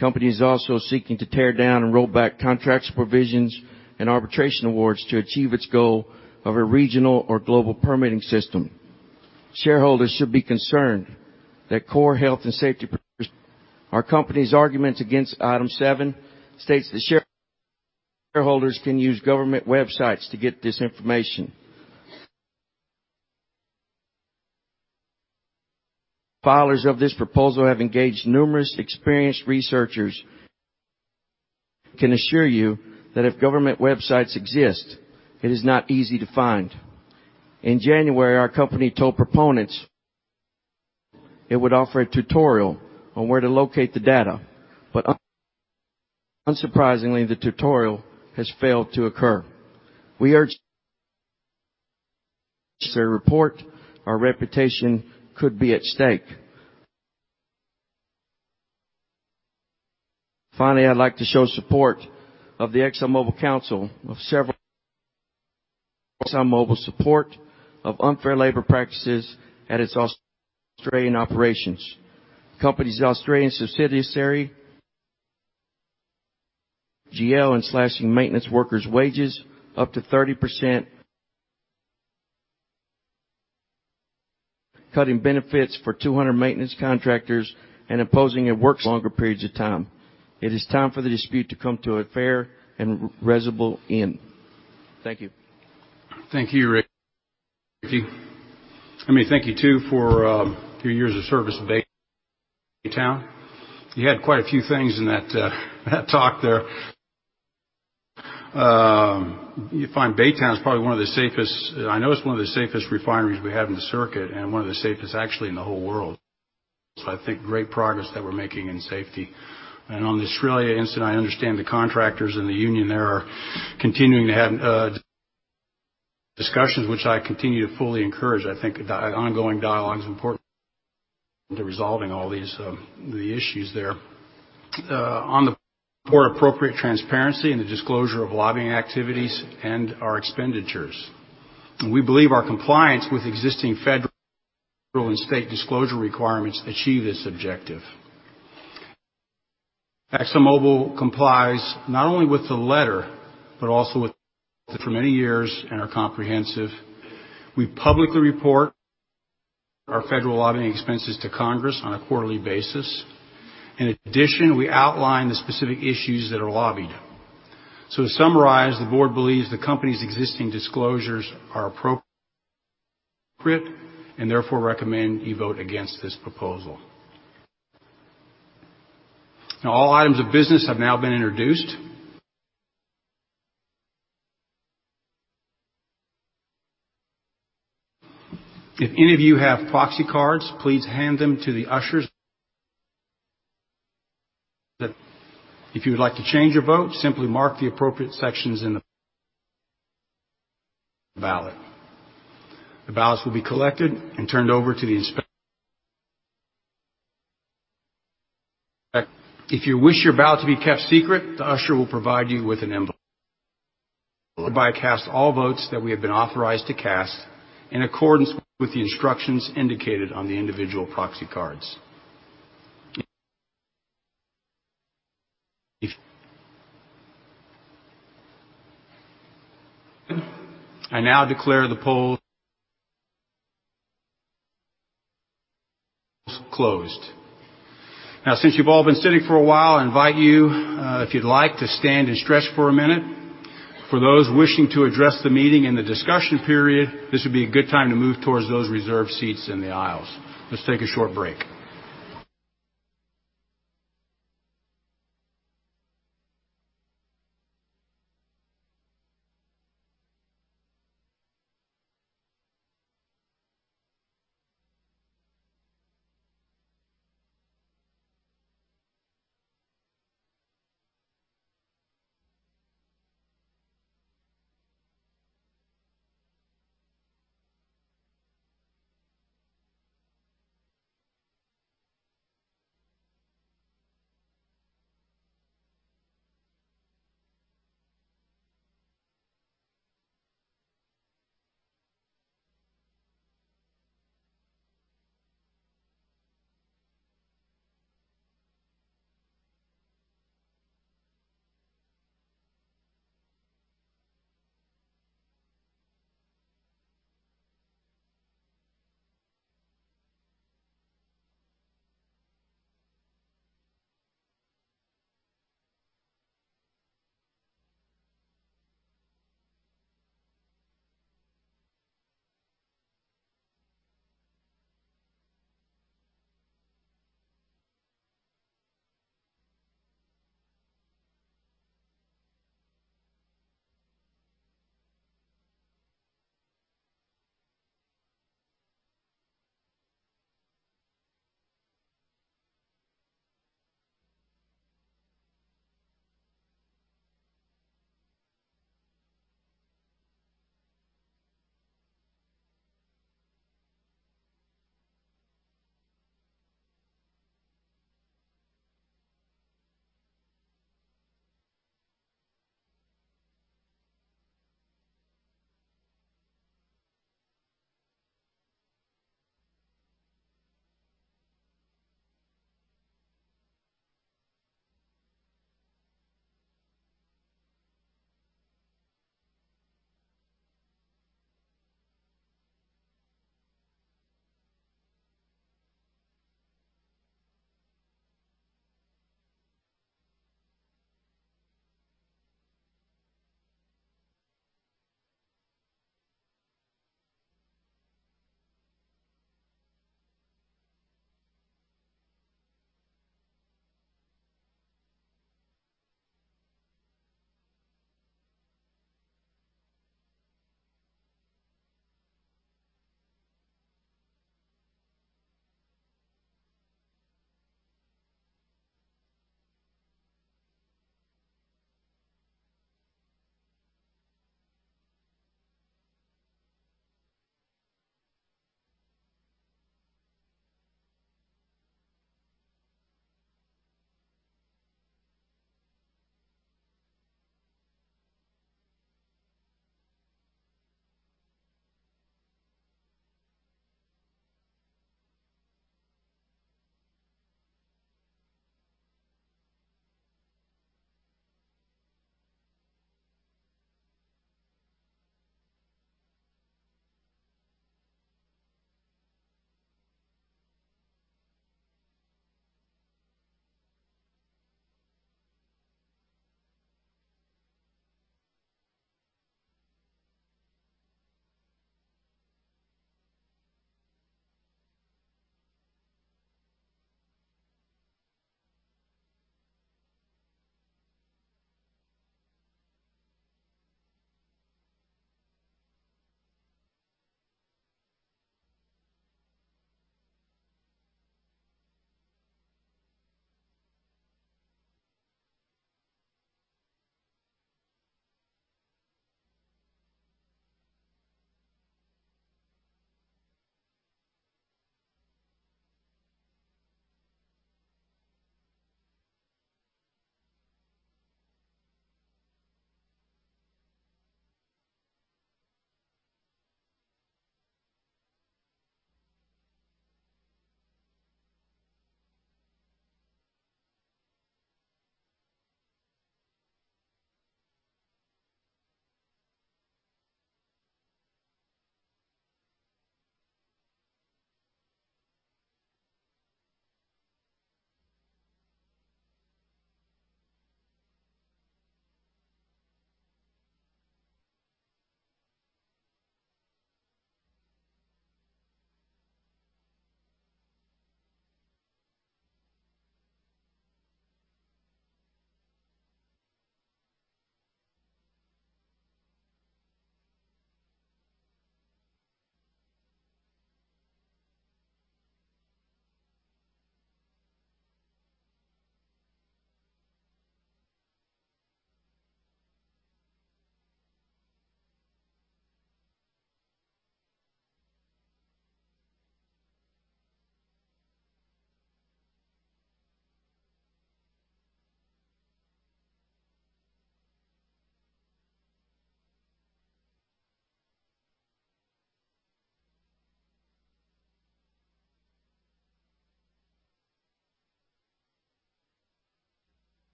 Speaker 4: The company is also seeking to tear down and roll back contracts, provisions, and arbitration awards to achieve its goal of a regional or global permitting system. Shareholders should be concerned that core health and safety. Our company's arguments against item 7 states that shareholders can use government websites to get this information. Filers of this proposal have engaged numerous experienced researchers. I can assure you that if government websites exist, it is not easy to find. In January, our company told proponents it would offer a tutorial on where to locate the data, but unsurprisingly, the tutorial has failed to occur. We urge a report, our reputation could be at stake. Finally, I'd like to show support of the Exxon Mobil Council of several ExxonMobil support of unfair labor practices at its Australian operations. The company's Australian subsidiary, UGL, and slashing maintenance workers' wages up to 30%, cutting benefits for 200 maintenance contractors, and imposing it works longer periods of time. It is time for the dispute to come to a fair and reasonable end. Thank you.
Speaker 1: Thank you, Rick. Let me thank you, too, for your years of service at Baytown. You had quite a few things in that talk there. You'll find Baytown is probably one of the safest, I know it's one of the safest refineries we have in the circuit and one of the safest, actually, in the whole world. I think great progress that we're making in safety. On the Australia incident, I understand the contractors and the union there are continuing to have discussions, which I continue to fully encourage. I think ongoing dialogue is important to resolving all the issues there. On the poor appropriate transparency and the disclosure of lobbying activities and our expenditures. We believe our compliance with existing federal and state disclosure requirements achieve this objective. ExxonMobil complies not only with the letter but also with for many years and are comprehensive. To summarize, the board believes the company's existing disclosures are appropriate, and therefore recommend you vote against this proposal. All items of business have now been introduced. If any of you have proxy cards, please hand them to the ushers. If you would like to change your vote, simply mark the appropriate sections in the ballot. The ballots will be collected and turned over to the inspector. If you wish your ballot to be kept secret, the usher will provide you with an envelope. I cast all votes that we have been authorized to cast in accordance with the instructions indicated on the individual proxy cards. I now declare the poll closed. Since you've all been sitting for a while, I invite you, if you'd like, to stand and stretch for a minute. For those wishing to address the meeting in the discussion period, this would be a good time to move towards those reserved seats in the aisles. Let's take a short break.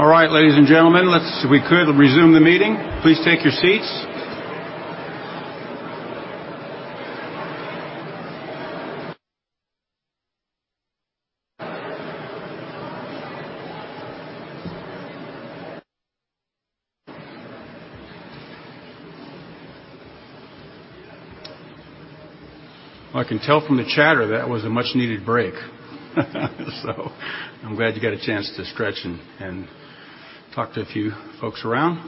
Speaker 1: Ladies and gentlemen, if we could, resume the meeting. Please take your seats. I can tell from the chatter that was a much needed break. I'm glad you got a chance to stretch and talk to a few folks around.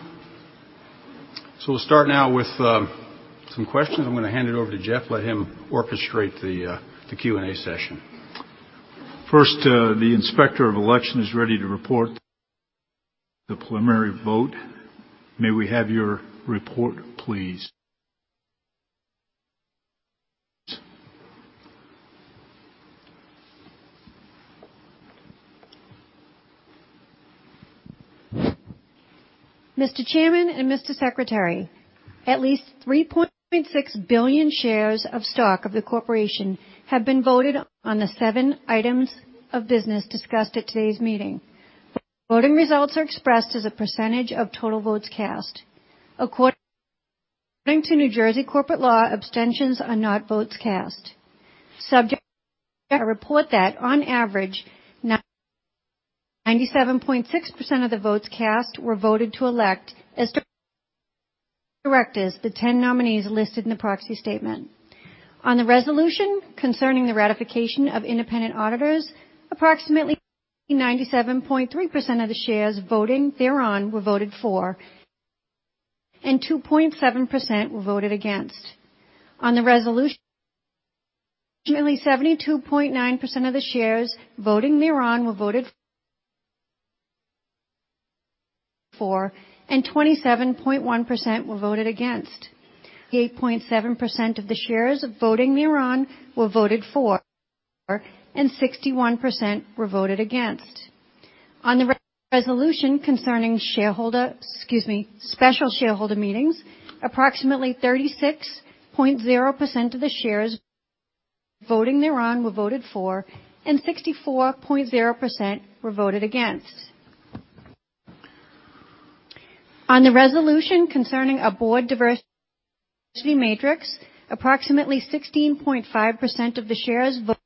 Speaker 1: We'll start now with some questions. I'm going to hand it over to Jeff, let him orchestrate the Q&A session.
Speaker 2: First, the Inspector of Election is ready to report the preliminary vote. May we have your report, please?
Speaker 5: Mr. Chairman and Mr. Secretary, at least 3.6 billion shares of stock of the corporation have been voted on the seven items of business discussed at today's meeting. Voting results are expressed as a percentage of total votes cast. According to New Jersey corporate law, abstentions are not votes cast. Subject, I report that on average, 97.6% of the votes cast were voted to elect as directors the 10 nominees listed in the proxy statement. On the resolution concerning the ratification of independent auditors, approximately 97.3% of the shares voting thereon were voted for, and 2.7% were voted against. On the resolution, approximately 72.9% of the shares voting thereon were voted for, and 27.1% were voted against. 8.7% of the shares voting thereon were voted for, and 61% were voted against. On the resolution concerning shareholder Excuse me, special shareholder meetings, approximately 36.0% of the shares voting thereon were voted for, and 64.0% were voted against. On the resolution concerning a board diversity matrix, approximately 16.5% of the shares voted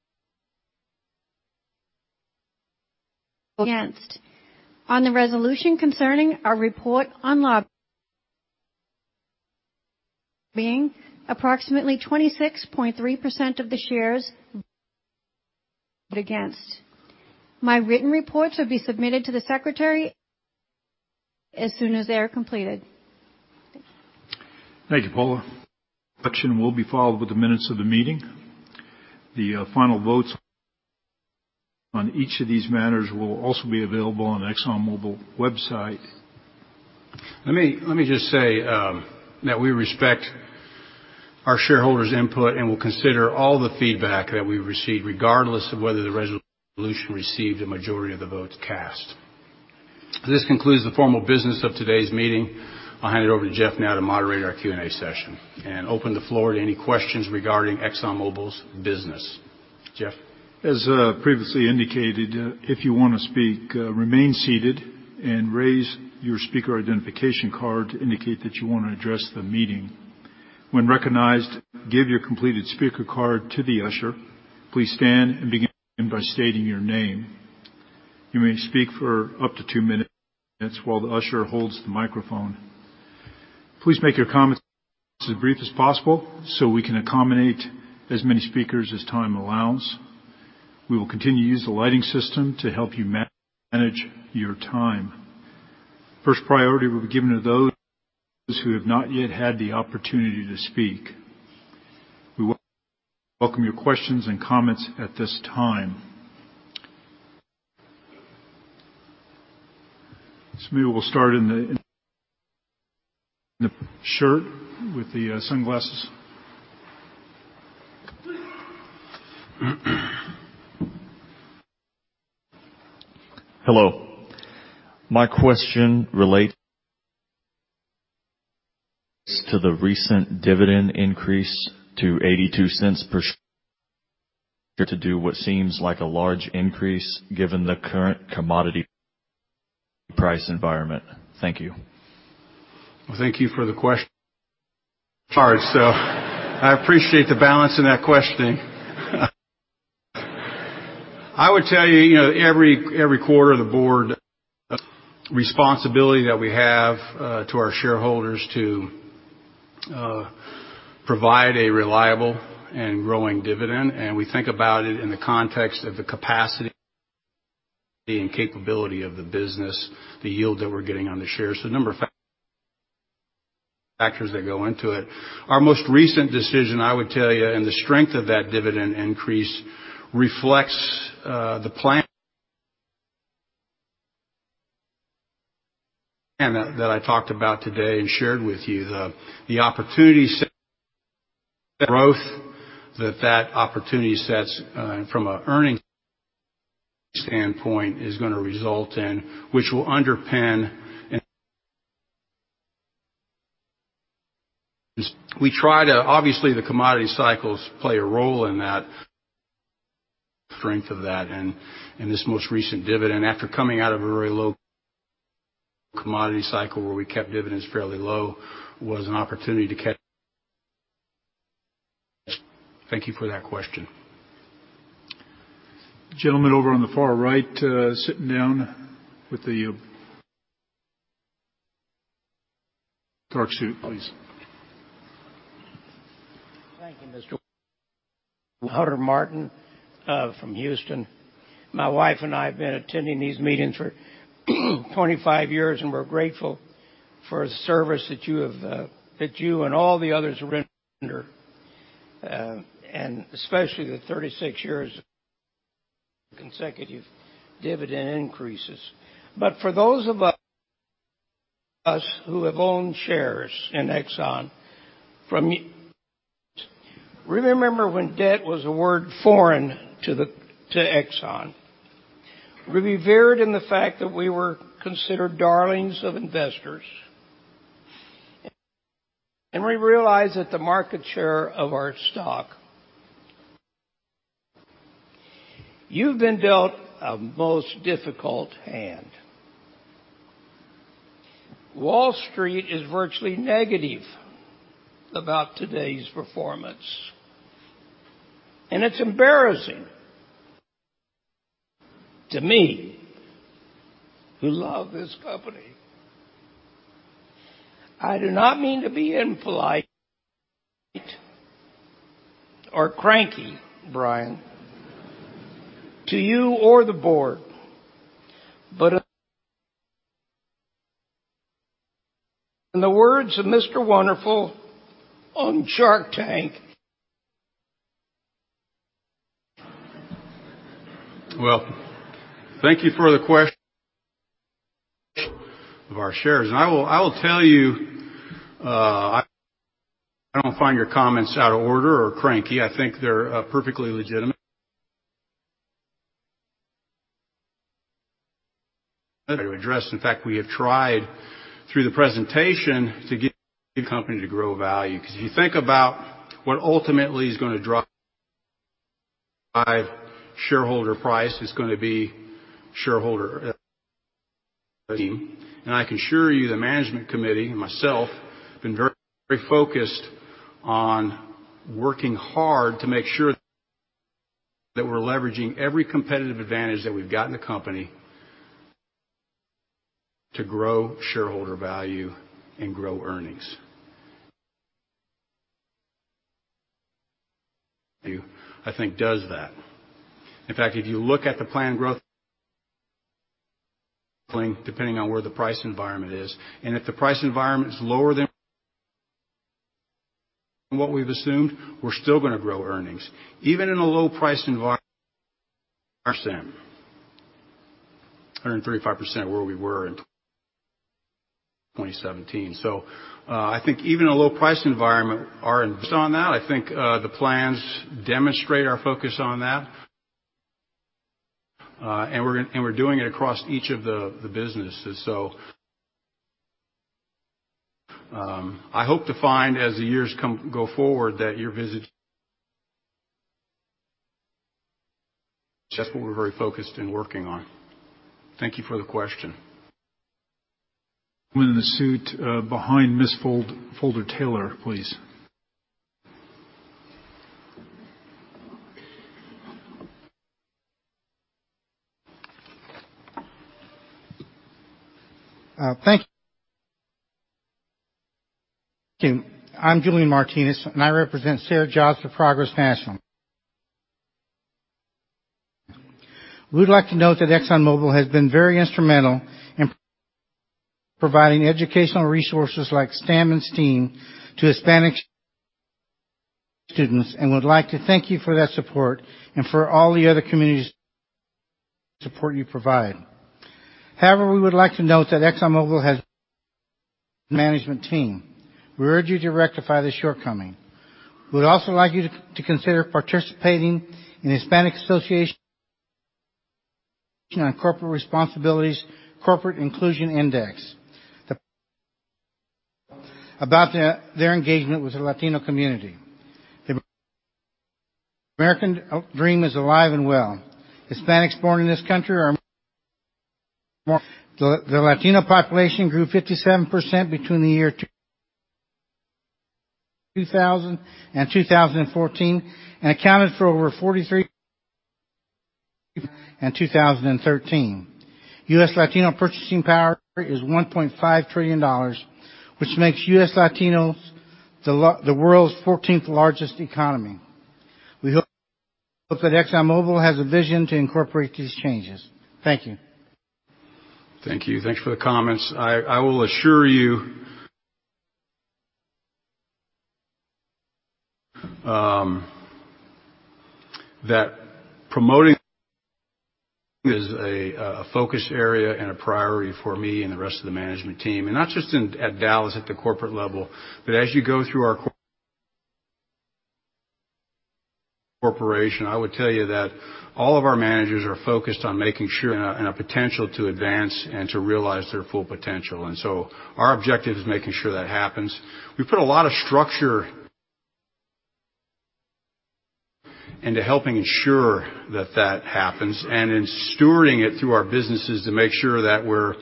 Speaker 5: against. On the resolution concerning our report on lobbying, approximately 26.3% of the shares voted against. My written reports will be submitted to the secretary as soon as they are completed. Thank you.
Speaker 2: Thank you, Paula. Action will be followed with the minutes of the meeting. The final votes on each of these matters will also be available on exxonmobil website.
Speaker 1: Let me just say that we respect our shareholders input and will consider all the feedback that we've received, regardless of whether the resolution received a majority of the votes cast. This concludes the formal business of today's meeting. I'll hand it over to Jeff now to moderate our Q&A session and open the floor to any questions regarding ExxonMobil's business. Jeff.
Speaker 2: As previously indicated, if you want to speak, remain seated and raise your speaker identification card to indicate that you want to address the meeting. When recognized, give your completed speaker card to the usher. Please stand and begin by stating your name. You may speak for up to two minutes while the usher holds the microphone. Please make your comments as brief as possible so we can accommodate as many speakers as time allows. We will continue to use the lighting system to help you manage your time. First priority will be given to those who have not yet had the opportunity to speak. We welcome your questions and comments at this time. Maybe we'll start in the shirt with the sunglasses.
Speaker 6: Hello. My question relates to the recent dividend increase to $0.82 per share to do what seems like a large increase given the current commodity price environment. Thank you.
Speaker 1: Well, thank you for the question. All right, I appreciate the balance in that questioning. I would tell you, every quarter, the board responsibility that we have, to our shareholders to provide a reliable and growing dividend, and we think about it in the context of the capacity and capability of the business, the yield that we're getting on the shares. A number of factors that go into it. Our most recent decision, I would tell you, and the strength of that dividend increase reflects the plan that I talked about today and shared with you, the opportunity set growth that opportunity sets, from an earnings standpoint, is going to result in, which will underpin. Obviously, the commodity cycles play a role in that strength of that and this most recent dividend, after coming out of a very low commodity cycle where we kept dividends fairly low, was an opportunity to catch. Thank you for that question.
Speaker 2: Gentleman over on the far right, sitting down with the dark suit, please.
Speaker 3: Thank you, Mr. Hunter Martin from Houston. My wife and I have been attending these meetings for 25 years, and we're grateful for the service that you and all the others render and especially the 36 years of consecutive dividend increases. For those of us who have owned shares in Exxon from years remember when debt was a word foreign to Exxon. We revered in the fact that we were considered darlings of investors. We realize that the market share of our stock. You've been dealt a most difficult hand. Wall Street is virtually negative about today's performance, and it's embarrassing to me who love this company. I do not mean to be impolite or cranky, Brian, to you or the board. In the words of Mr. Wonderful on "Shark Tank
Speaker 1: Well, thank you for the question of our shares. I will tell you, I don't find your comments out of order or cranky. I think they're perfectly legitimate to address. In fact, we have tried through the presentation to get the company to grow value. If you think about what ultimately is going to drive shareholder price is going to be shareholder team. I can assure you the management committee and myself have been very focused on working hard to make sure that we're leveraging every competitive advantage that we've got in the company to grow shareholder value and grow earnings. I think does that. In fact, if you look at the planned growth depending on where the price environment is, and if the price environment is lower than what we've assumed, we're still going to grow earnings. Even in a low price environment, 135% where we were in 2017. I think even in a low price environment are on that. I think the plans demonstrate our focus on that and we're doing it across each of the businesses. I hope to find as the years go forward that your visit, that's what we're very focused in working on. Thank you for the question.
Speaker 2: Man in the suit behind Ms. Holder Taylor, please.
Speaker 7: Thank you. I'm Julian Martinez, I represent SER-Jobs for Progress National. We'd like to note that ExxonMobil has been very instrumental in providing educational resources like STEM and STEAM to Hispanic students and would like to thank you for that support and for all the other communities support you provide. We would like to note that ExxonMobil has management team. We urge you to rectify this shortcoming. We'd also like you to consider participating in Hispanic Association on Corporate Responsibility Corporate Inclusion Index about their engagement with the Latino community. The American dream is alive and well. Hispanics born in this country are more-- The Latino population grew 57% between the year 2000 and 2014 and accounted for over 43% in 2013. US Latino purchasing power is $1.5 trillion, which makes US Latinos the world's 14th largest economy. We hope that ExxonMobil has a vision to incorporate these changes. Thank you.
Speaker 1: Thank you. Thanks for the comments. I will assure you that promoting is a focus area and a priority for me and the rest of the management team, not just at Dallas at the corporate level, but as you go through our Corporation, I would tell you that all of our managers are focused on making sure and a potential to advance and to realize their full potential. Our objective is making sure that happens. We put a lot of structure into helping ensure that that happens, in steering it through our businesses to make sure that we're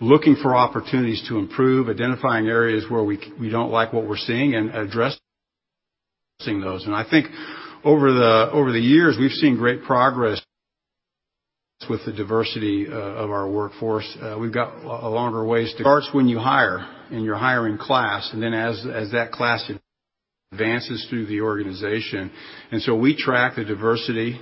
Speaker 1: looking for opportunities to improve, identifying areas where we don't like what we're seeing, and addressing those. I think over the years, we've seen great progress with the diversity of our workforce. Starts when you hire, and you hire in class, and then as that class advances through the organization. We track the diversity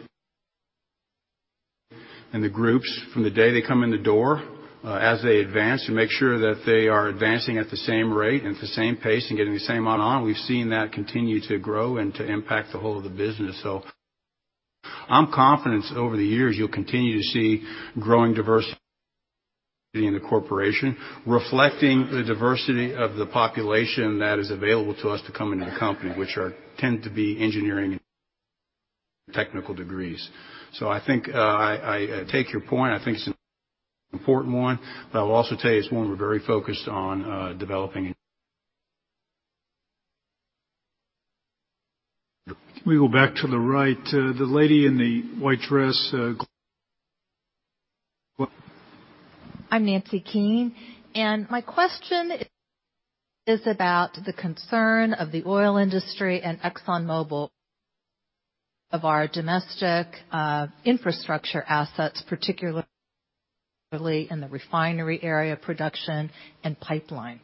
Speaker 1: and the groups from the day they come in the door, as they advance, to make sure that they are advancing at the same rate and at the same pace and getting the same amount on. We've seen that continue to grow and to impact the whole of the business. I'm confident over the years you'll continue to see growing diversity in the corporation, reflecting the diversity of the population that is available to us to come into the company, which tend to be engineering and technical degrees. I take your point. I think it's an important one, but I will also tell you it's one we're very focused on developing.
Speaker 2: We go back to the right, the lady in the white dress.
Speaker 3: I'm Nancy Keen, and my question is about the concern of the oil industry and ExxonMobil of our domestic infrastructure assets, particularly in the refinery area, production, and pipeline.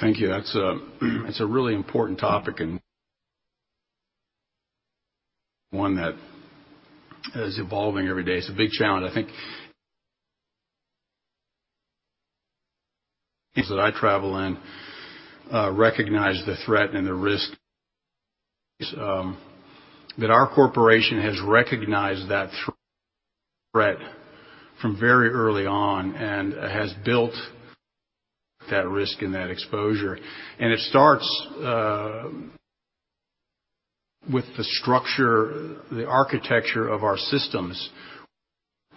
Speaker 1: Thank you. That's a really important topic and one that is evolving every day. It's a big challenge, I think. Things that I travel in recognize the threat and the risk. Our corporation has recognized that threat from very early on and has built that risk and that exposure. It starts with the structure, the architecture of our systems,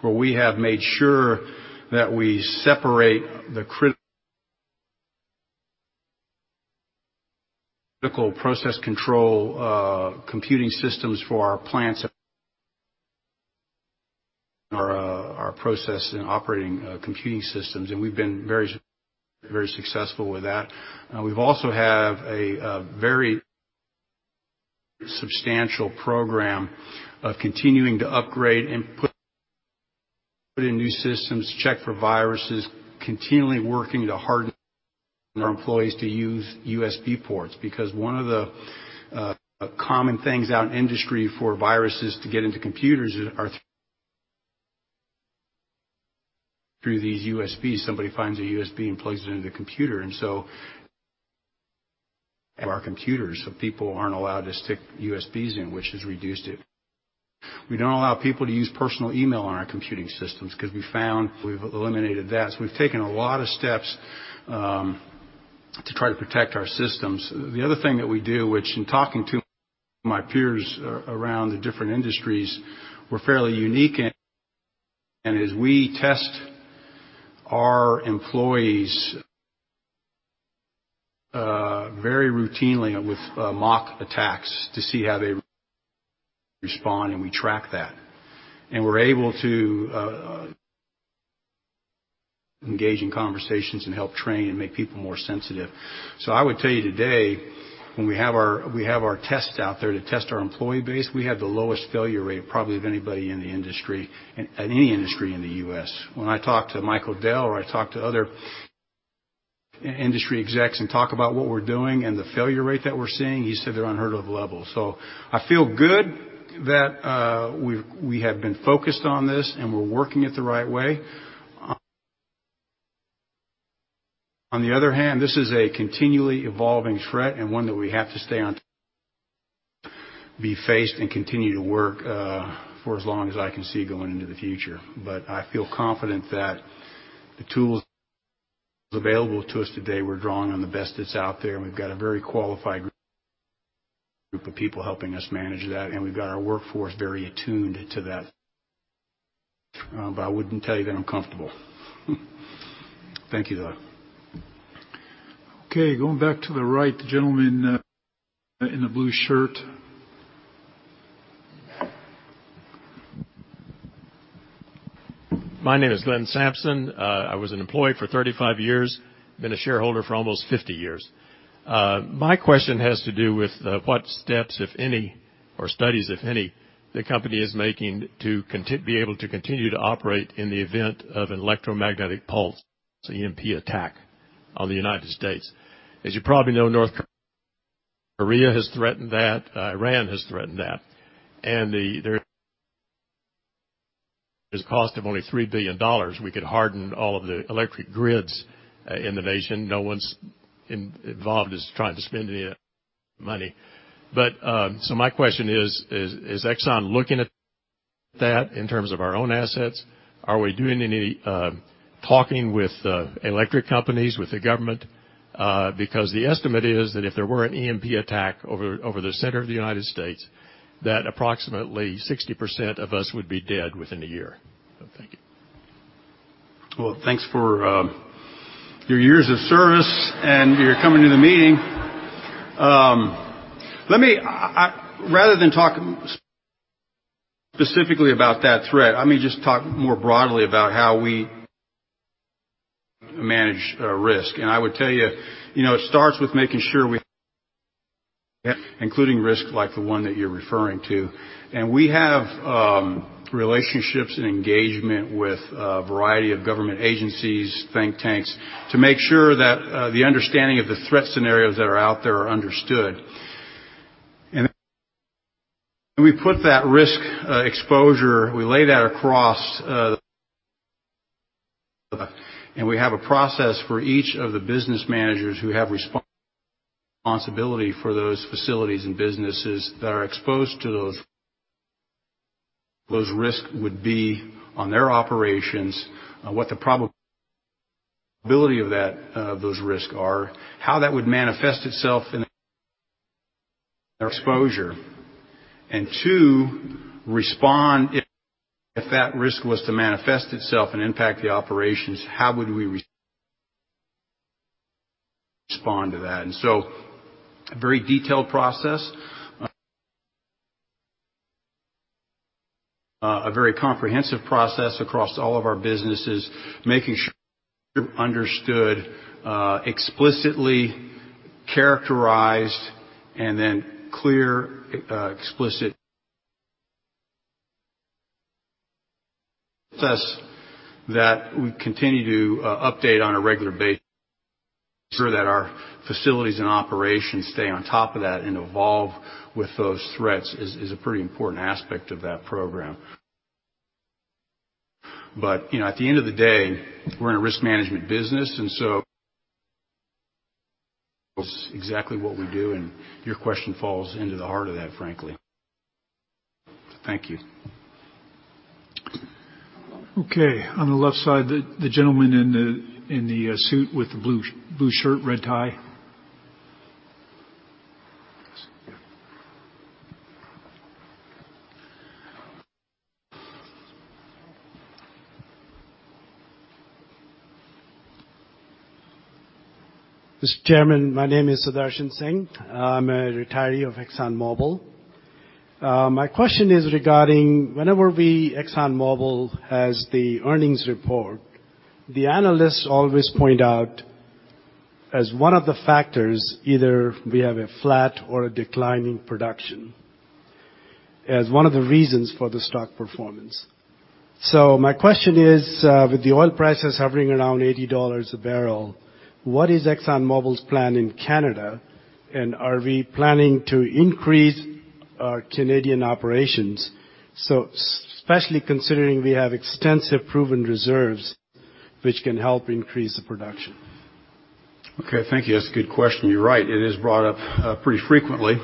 Speaker 1: where we have made sure that we separate the critical process control computing systems for our plants and our process and operating computing systems, and we've been very successful with that. We also have a very substantial program of continuing to upgrade and put in new systems to check for viruses, continually working to harden our employees to use USB ports, because one of the common things out in industry for viruses to get into computers is through these USBs. Somebody finds a USB and plugs it into a computer. Our computers, so people aren't allowed to stick USBs in, which has reduced it. We don't allow people to use personal email on our computing systems because we found we've eliminated that. We've taken a lot of steps to try to protect our systems. The other thing that we do, which in talking to my peers around the different industries, we're fairly unique in, is we test our employees very routinely with mock attacks to see how they respond, and we track that. We're able to engage in conversations and help train and make people more sensitive. I would tell you today, when we have our tests out there to test our employee base, we have the lowest failure rate probably of anybody in the industry, at any industry in the U.S. When I talk to Michael Dell or I talk to other industry execs and talk about what we're doing and the failure rate that we're seeing, he said they're unheard of levels. I feel good that we have been focused on this, and we're working it the right way. On the other hand, this is a continually evolving threat and one that we have to stay on top, be faced, and continue to work for as long as I can see going into the future. I feel confident that the tools available to us today, we're drawing on the best that's out there, and we've got a very qualified group of people helping us manage that, and we've got our workforce very attuned to that. I wouldn't tell you that I'm comfortable. Thank you, though.
Speaker 2: Okay, going back to the right, the gentleman in the blue shirt.
Speaker 3: My name is Glenn Sampson. I was an employee for 35 years, been a shareholder for almost 50 years. My question has to do with what steps, if any, or studies, if any, the company is making to be able to continue to operate in the event of an electromagnetic pulse, EMP attack on the U.S. As you probably know, North Korea has threatened that. Iran has threatened that. There is a cost of only $3 billion. We could harden all of the electric grids in the nation. No one involved is trying to spend any money. My question is Exxon looking at that in terms of our own assets, are we doing any talking with electric companies, with the government? The estimate is that if there were an EMP attack over the center of the U.S., that approximately 60% of us would be dead within a year. Thank you.
Speaker 1: Well, thanks for your years of service and your coming to the meeting. Rather than talk specifically about that threat, let me just talk more broadly about how we manage risk. I would tell you, it starts with making sure including risk like the one that you're referring to. We have relationships and engagement with a variety of government agencies, think tanks, to make sure that the understanding of the threat scenarios that are out there are understood. We put that risk exposure, we lay that across. We have a process for each of the business managers who have responsibility for those facilities and businesses that are exposed to those risks would be on their operations, what the probability of those risk are, how that would manifest itself in their exposure. Two, respond if that risk was to manifest itself and impact the operations, how would we respond to that? A very detailed process, a very comprehensive process across all of our businesses, making sure understood explicitly characterized and then clear, explicit process that we continue to update on a regular basis. Ensure that our facilities and operations stay on top of that and evolve with those threats is a pretty important aspect of that program. At the end of the day, we're a risk management business, exactly what we do, and your question falls into the heart of that, frankly. Thank you.
Speaker 2: Okay, on the left side, the gentleman in the suit with the blue shirt, red tie.
Speaker 3: Mr. Chairman, my name is Sudarshan Singh. I'm a retiree of ExxonMobil. My question is regarding whenever we, ExxonMobil, has the earnings report, the analysts always point out as one of the factors, either we have a flat or a decline in production as one of the reasons for the stock performance. My question is, with the oil prices hovering around $80 a barrel, what is ExxonMobil's plan in Canada? Are we planning to increase our Canadian operations? Especially considering we have extensive proven reserves, which can help increase the production.
Speaker 1: Okay, thank you. That's a good question. You're right. It is brought up pretty frequently.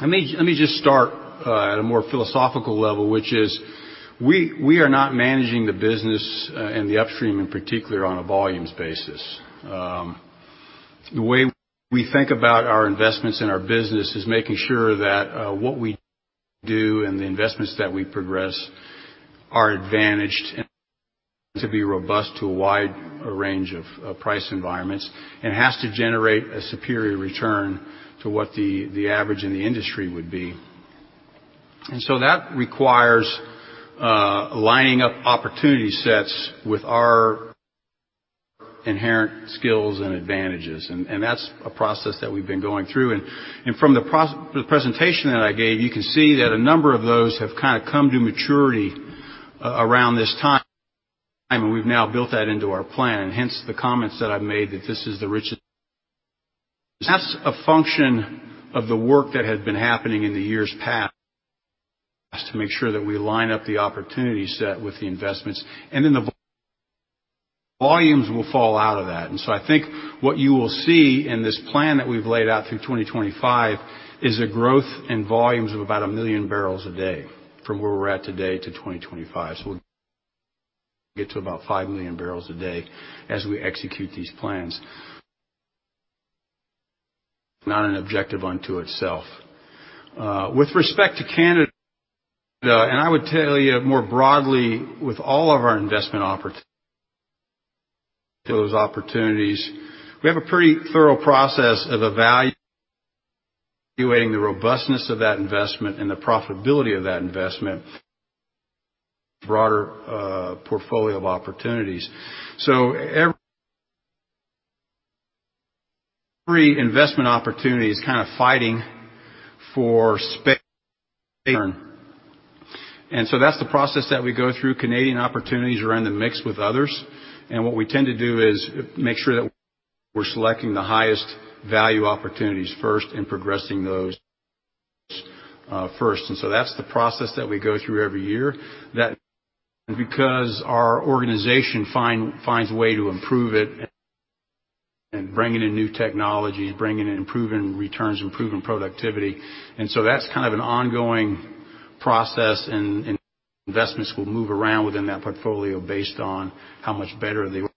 Speaker 1: Let me just start at a more philosophical level, which is we are not managing the business and the upstream, in particular, on a volumes basis. The way we think about our investments and our business is making sure that what we do and the investments that we progress are advantaged to be robust to a wide range of price environments and has to generate a superior return to what the average in the industry would be. That requires lining up opportunity sets with our inherent skills and advantages. That's a process that we've been going through. From the presentation that I gave, you can see that a number of those have come to maturity around this time, and we've now built that into our plan. Hence, the comments that I've made that this is the richest. That's a function of the work that has been happening in the years past to make sure that we line up the opportunity set with the investments. The volumes will fall out of that. I think what you will see in this plan that we've laid out through 2025 is a growth in volumes of about 1 million barrels a day from where we're at today to 2025. So we get to about 5 million barrels a day as we execute these plans. Not an objective unto itself. With respect to Canada, and I would tell you more broadly with all of our investment opportunities, we have a pretty thorough process of evaluating the robustness of that investment and the profitability of that investment, broader portfolio of opportunities. Every investment opportunity is fighting for space. That's the process that we go through. Canadian opportunities are in the mix with others, what we tend to do is make sure that we're selecting the highest value opportunities first and progressing those first. That's the process that we go through every year because our organization finds a way to improve it, bringing in new technology, bringing in improving returns, improving productivity. That's kind of an ongoing process, and investments will move around within that portfolio based on how much better the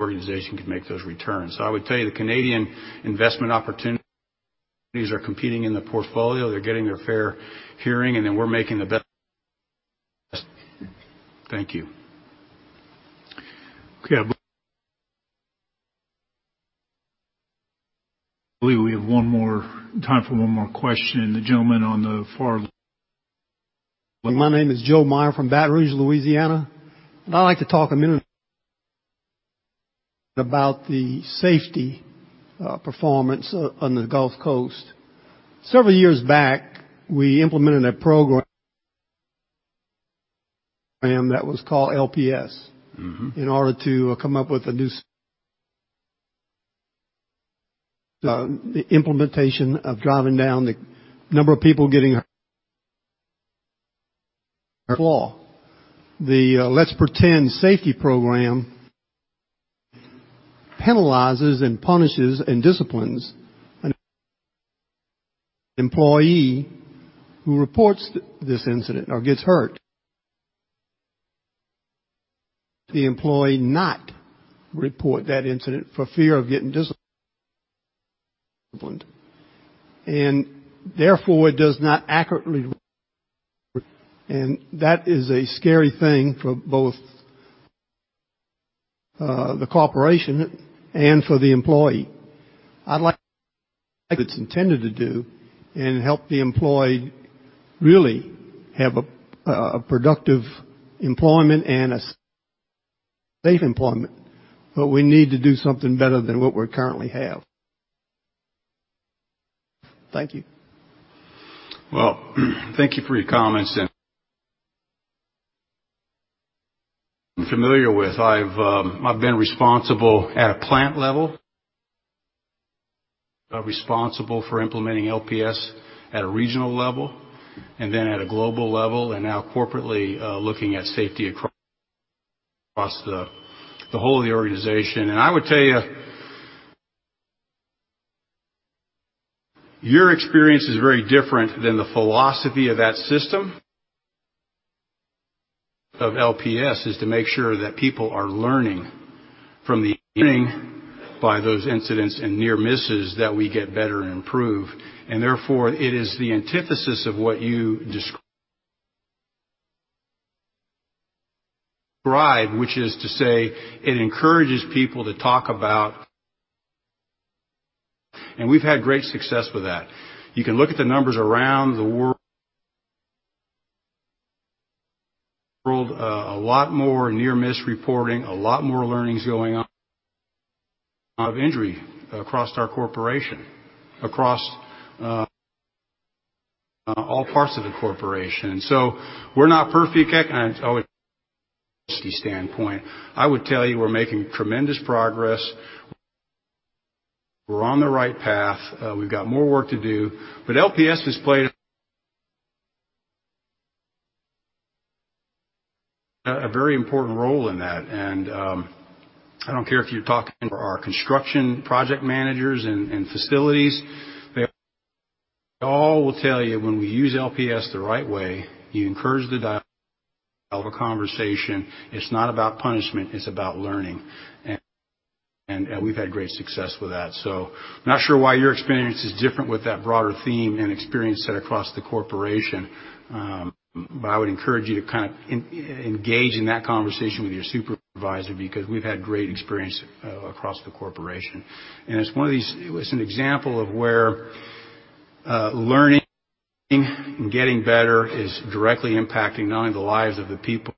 Speaker 1: organization can make those returns. I would tell you the Canadian investment opportunities are competing in the portfolio. They're getting their fair hearing, and then we're making the best. Thank you. Okay. I believe we have time for 1 more question. The gentleman on the far left.
Speaker 3: Well, my name is Joe Meyer from Baton Rouge, Louisiana. I'd like to talk a minute about the safety performance on the Gulf Coast. Several years back, we implemented a program that was called LPS. in order to come up with a new implementation of driving down the number of people getting. [inaudible] The Let's Pretend Safety program penalizes, punishes, and disciplines an employee who reports this incident or gets hurt. The employee not report that incident for fear of getting disciplined. Therefore, it does not accurately. That is a scary thing for both the corporation and for the employee. I'd like it's intended to do and help the employee really have a productive employment and a safe employment. We need to do something better than what we currently have. Thank you.
Speaker 1: Well, thank you for your comments and familiar with. I've been responsible at a plant level, responsible for implementing LPS at a regional level, and then at a global level, and now corporately looking at safety across the whole of the organization. I would tell you, your experience is very different than the philosophy of that system of LPS is to make sure that people are learning from the beginning by those incidents and near misses that we get better and improve. Therefore, it is the antithesis of what you describe, which is to say it encourages people to talk about, and we've had great success with that. You can look at the numbers around the world, a lot more near-miss reporting, a lot more learnings going on of injury across our corporation, across all parts of the corporation. We're not perfect from a safety standpoint. I would tell you we're making tremendous progress. We're on the right path. We've got more work to do, LPS has played a very important role in that. I don't care if you're talking to our construction project managers in facilities, they all will tell you when we use LPS the right way, you encourage the dialogue conversation. It's not about punishment, it's about learning. We've had great success with that. Not sure why your experience is different with that broader theme and experience set across the corporation. I would encourage you to engage in that conversation with your supervisor because we've had great experience across the corporation. It's an example of where learning and getting better is directly impacting not only the lives of the people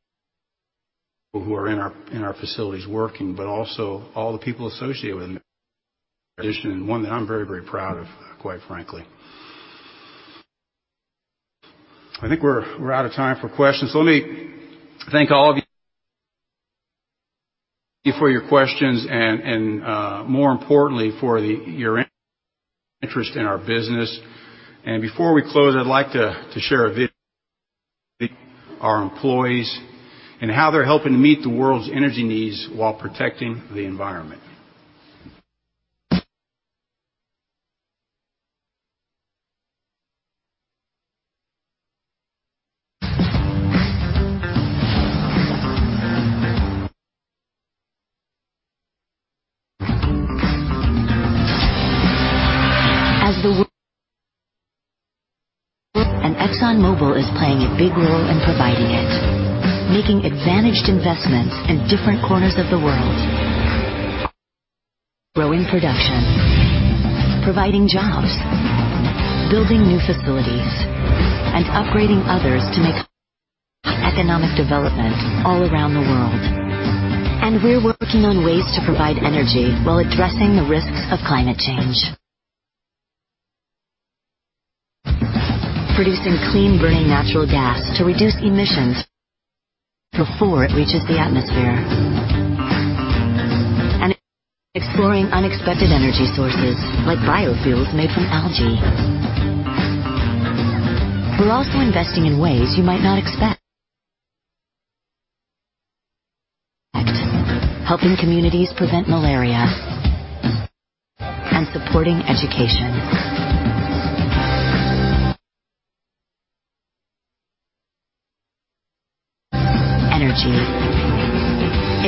Speaker 1: who are in our facilities working, but also all the people associated with it. One that I'm very, very proud of, quite frankly. I think we're out of time for questions. Let me thank all of you for your questions and, more importantly, for your interest in our business. Before we close, I'd like to share a video our employees and how they're helping to meet the world's energy needs while protecting the environment.
Speaker 8: As the and ExxonMobil is playing a big role in providing it, making advantaged investments in different corners of the world, growing production, providing jobs, building new facilities, and upgrading others to make economic development all around the world. We're working on ways to provide energy while addressing the risks of climate change. Producing clean-burning natural gas to reduce emissions before it reaches the atmosphere. Exploring unexpected energy sources like biofuels made from algae. We're also investing in ways you might not expect. Helping communities prevent malaria and supporting education. Energy.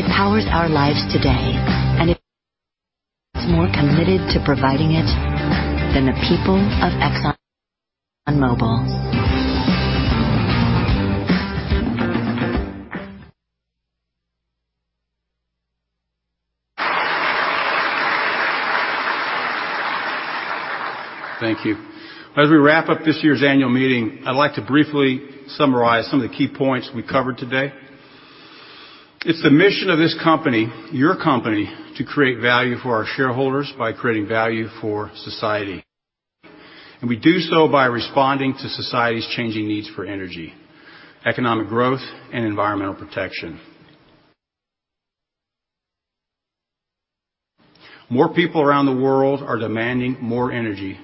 Speaker 8: It powers our lives today, and more committed to providing it than the people of ExxonMobil.
Speaker 1: Thank you. As we wrap up this year's annual meeting, I'd like to briefly summarize some of the key points we covered today. It's the mission of this company, your company, to create value for our shareholders by creating value for society. We do so by responding to society's changing needs for energy, economic growth, and environmental protection. More people around the world are demanding more energy,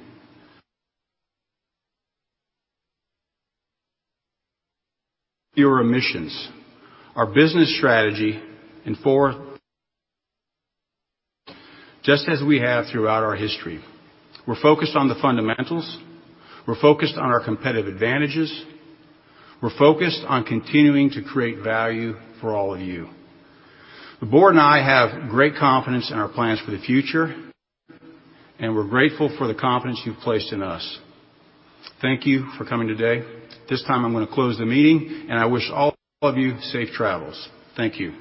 Speaker 1: fewer emissions. Our business strategy, and fourth, just as we have throughout our history, we're focused on the fundamentals, we're focused on our competitive advantages, we're focused on continuing to create value for all of you. The board and I have great confidence in our plans for the future, and we're grateful for the confidence you've placed in us. Thank you for coming today. At this time, I'm going to close the meeting, and I wish all of you safe travels. Thank you.